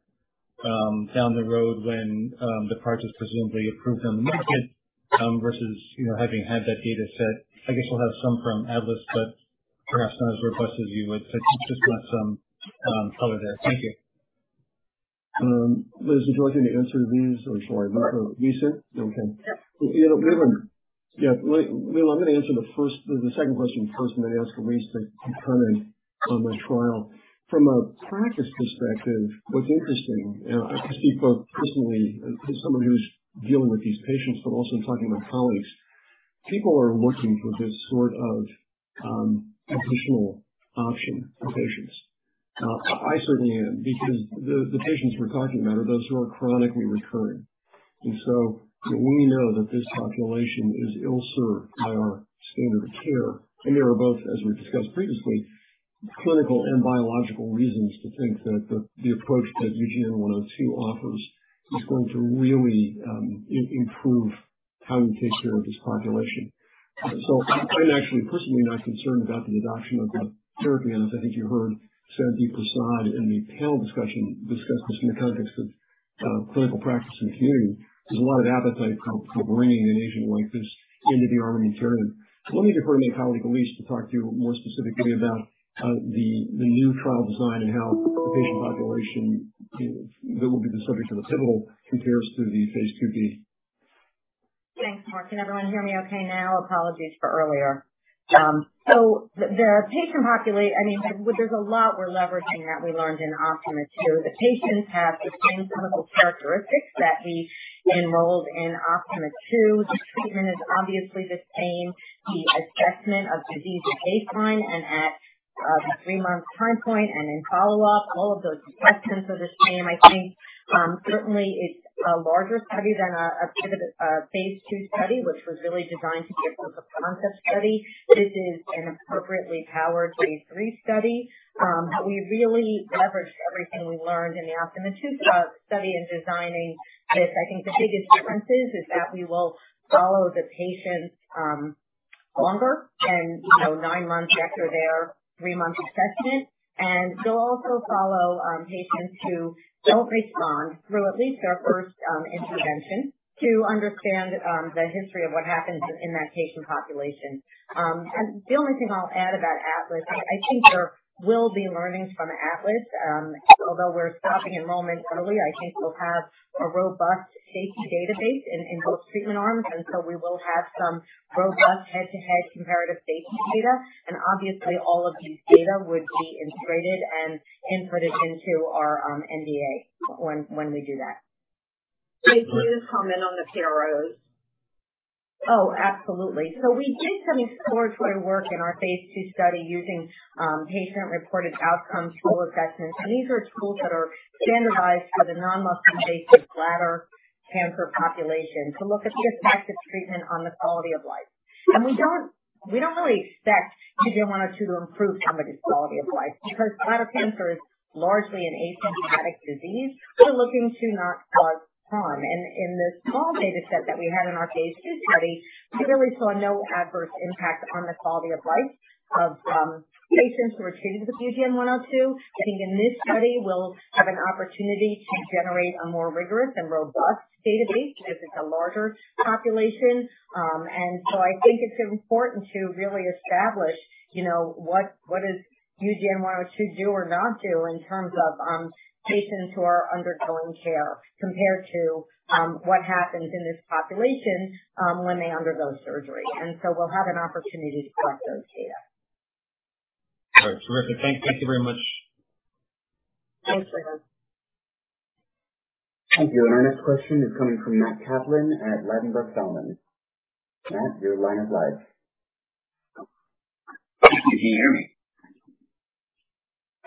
down the road when the product is presumably approved on the market versus, you know, having had that data set. I guess we'll have some from ATLAS, but perhaps not as robust as you would. You've just got some color there. Thank you.
Liz, would you like me to answer these? Or sorry, Mark or Elyse? Okay. Well, I'm gonna answer the first, the second question first, and then ask Elyse to comment on the trial. From a practice perspective, what's interesting, and I can speak both personally as someone who's dealing with these patients, but also in talking to my colleagues. People are looking for this sort of additional option for patients. I certainly am because the patients we're talking about are those who are chronically recurring. We know that this population is ill-served by our standard of care. There are both, as we discussed previously, clinical and biological reasons to think that the approach that UGN-102 offers is going to really improve how we take care of this population. I'm actually personally not concerned about the adoption of the therapy. As I think you heard Sandip Prasad in the panel discussion discuss this in the context of clinical practice in the community. There's a lot of appetite for bringing an agent like this into the armamentarium. Let me defer to my colleague, Elyse, to talk to you more specifically about the new trial design and how the patient population that will be the subject of the pivotal compares to the phase IIb.
Thanks, Mark. Can everyone hear me okay now? Apologies for earlier. I mean, there's a lot we're leveraging that we learned in OPTIMA II. The patients have the same clinical characteristics that we enrolled in OPTIMA II. The treatment is obviously the same. The assessment of disease at baseline and at the three-month time point and in follow-up, all of those assessments are the same. I think certainly it's a larger study than a pivotal phase II study, which was really designed to be more of a concept study. This is an appropriately powered phase III study that we really leveraged everything we learned in the OPTIMA II study in designing this. I think the biggest difference is that we will follow the patients longer. You know, nine months after their three-month assessment. We'll also follow patients who don't respond through at least our first intervention to understand the history of what happens in that patient population. The only thing I'll add about ATLAS, I think there will be learnings from ATLAS. Although we're stopping enrollment early, I think we'll have a robust safety database in both treatment arms. So we will have some robust head-to-head comparative safety data. Obviously, all of these data would be integrated and inputted into our NDA when we do that.
Great.
Can you comment on the PROs?
Oh, absolutely. We did some exploratory work in our phase II study using patient-reported outcome tool assessments. These are tools that are standardized for the non-muscle invasive bladder cancer population to look at the effect of treatment on the quality of life. We don't really expect UGN-102 to improve somebody's quality of life because bladder cancer is largely an asymptomatic disease. We're looking to not cause harm. In the small data set that we had in our phase II study, we really saw no adverse impact on the quality of life of patients who were treated with UGN-102. I think in this study we'll have an opportunity to generate a more rigorous and robust database because it's a larger population. I think it's important to really establish, you know, what does UGN102 do or not do in terms of patients who are undergoing care compared to what happens in this population when they undergo surgery. We'll have an opportunity to collect those data.
All right. Terrific. Thank you very much.
Thanks, Leland.
Thank you. Our next question is coming from Matt Kaplan at Ladenburg Thalmann. Matt, your line is live.
Thank you. Can you hear me?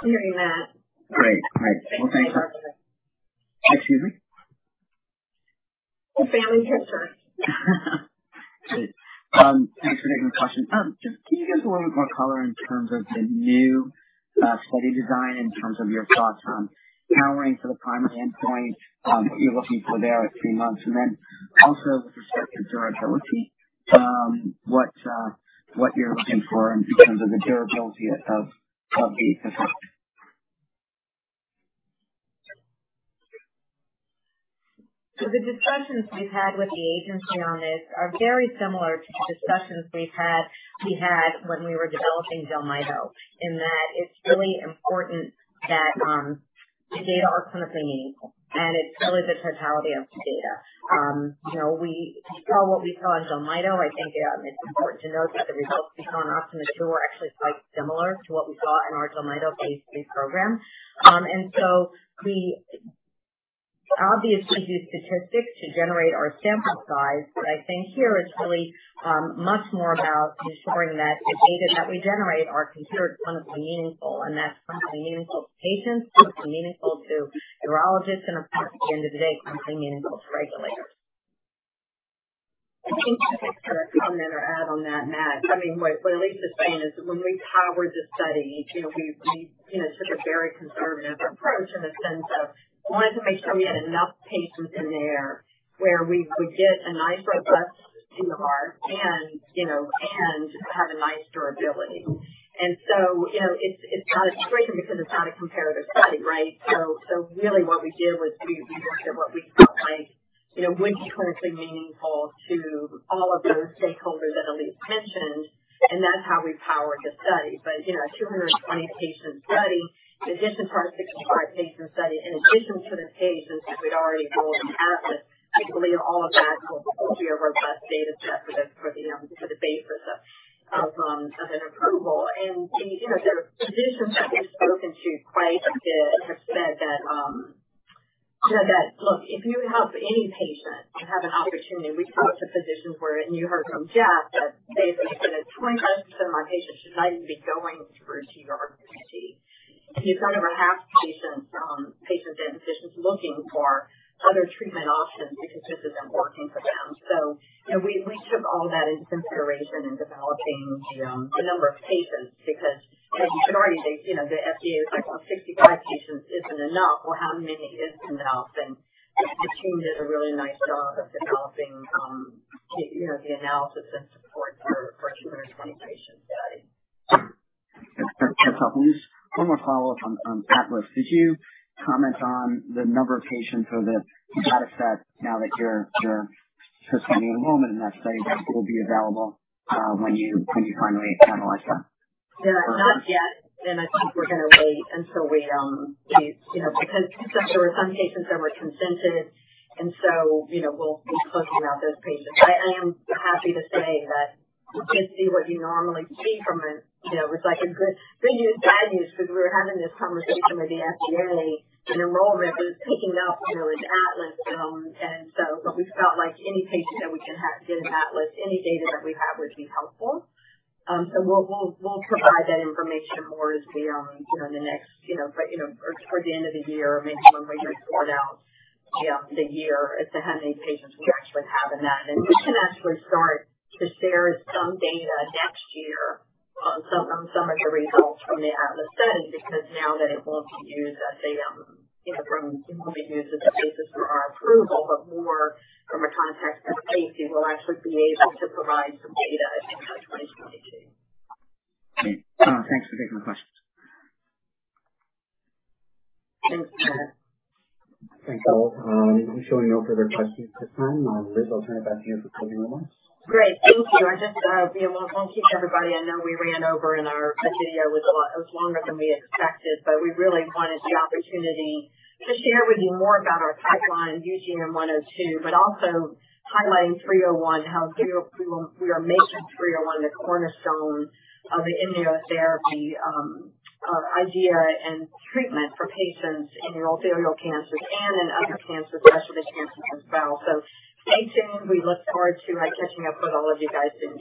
Hearing you, Matt.
Great. Well, excuse me.
The family pet.
Thanks for taking the question. Just can you give us a little bit more color in terms of the new study design, in terms of your thoughts on powering for the primary endpoint, what you're looking for there at three months? Also with respect to durability, what you're looking for in terms of the durability of the effect.
The discussions we've had with the agency on this are very similar to the discussions we had when we were developing Jelmyto, in that it's really important that the data are clinically meaningful, and it's really the totality of the data. We saw what we saw in Jelmyto. I think, it's important to note that the results we saw in OPTIMA II were actually quite similar to what we saw in our Jelmyto phase III program. We obviously do statistics to generate our sample size. But I think here it's really much more about ensuring that the data that we generate are considered clinically meaningful and that's something meaningful to patients, something meaningful to urologists and, of course, at the end of the day, something meaningful to regulators.
I think I can kind of comment or add on that, Matt. I mean, what Elyse is saying is that when we powered the study, you know, we you know, took a very conservative approach in the sense of wanting to make sure we had enough patients in there where we would get a nice robust signal and, you know, and have a nice durability. You know, it's not as great because it's not a comparative study, right? Really what we did was we looked at what we felt like You know, would be clinically meaningful to all of those stakeholders that Elyse's mentioned, and that's how we powered the study. A 220 patient study in addition to our 65 patient study, in addition to the patients that we'd already enrolled in ATLAS, I believe all of that will be our best data set for the basis of an approval. There are physicians that we've spoken to quite a bit and have said that, you know, that look, if you have any patient and have an opportunity, and we talked to physicians. You heard from Jeff that basically he said that 20% of my patients should not even be going towards TURBT. You know, kind of half patients and physicians looking for other treatment options because this isn't working for them. You know, we took all that into consideration in developing the number of patients. You know, the FDA is like, well, 65 patients isn't enough. Well, how many is enough? The team did a really nice job of developing, you know, the analysis and support for a 220-patient study.
That's helpful. Just one more follow-up on ATLAS. Did you comment on the number of patients or the data set now that you're suspending enrollment in that study that will be available when you finally analyze that?
Yeah. Not yet. I think we're gonna wait until we. Because there were some patients that were consented and so, you know, we'll be closing out those patients. I am happy to say that you just see what you normally see from a, you know, it's like a good news, bad news because we were having this conversation with the FDA, and enrollment was picking up, you know, with ATLAS. But we felt like any patient that we can have in ATLAS, any data that we have would be helpful. So we'll provide that information more as we, you know, in the next, you know, but, you know, for the end of the year or maybe when we report out, you know, the year as to how many patients we actually have in that. We can actually start to share some data next year on some of the results from the ATLAS study because now that it won't be used as a basis for our approval, but more from a context of safety, we'll actually be able to provide some data, I think, by 2022.
Okay. Thanks for taking my questions.
Thanks, Matt.
Thanks, all. I'm showing no further questions at this time. Liz, I'll turn it back to you for closing remarks.
Great. Thank you. I just, you know, wanna thank everybody. I know we ran over and our video was longer than we expected, but we really wanted the opportunity to share with you more about our pipeline using UGN-102, but also highlighting three oh one, we are making three oh one the cornerstone of the immunotherapy idea and treatment for patients in urothelial cancers and in other cancers, especially the cancer as well. Stay tuned. We look forward to catching up with all of you guys soon.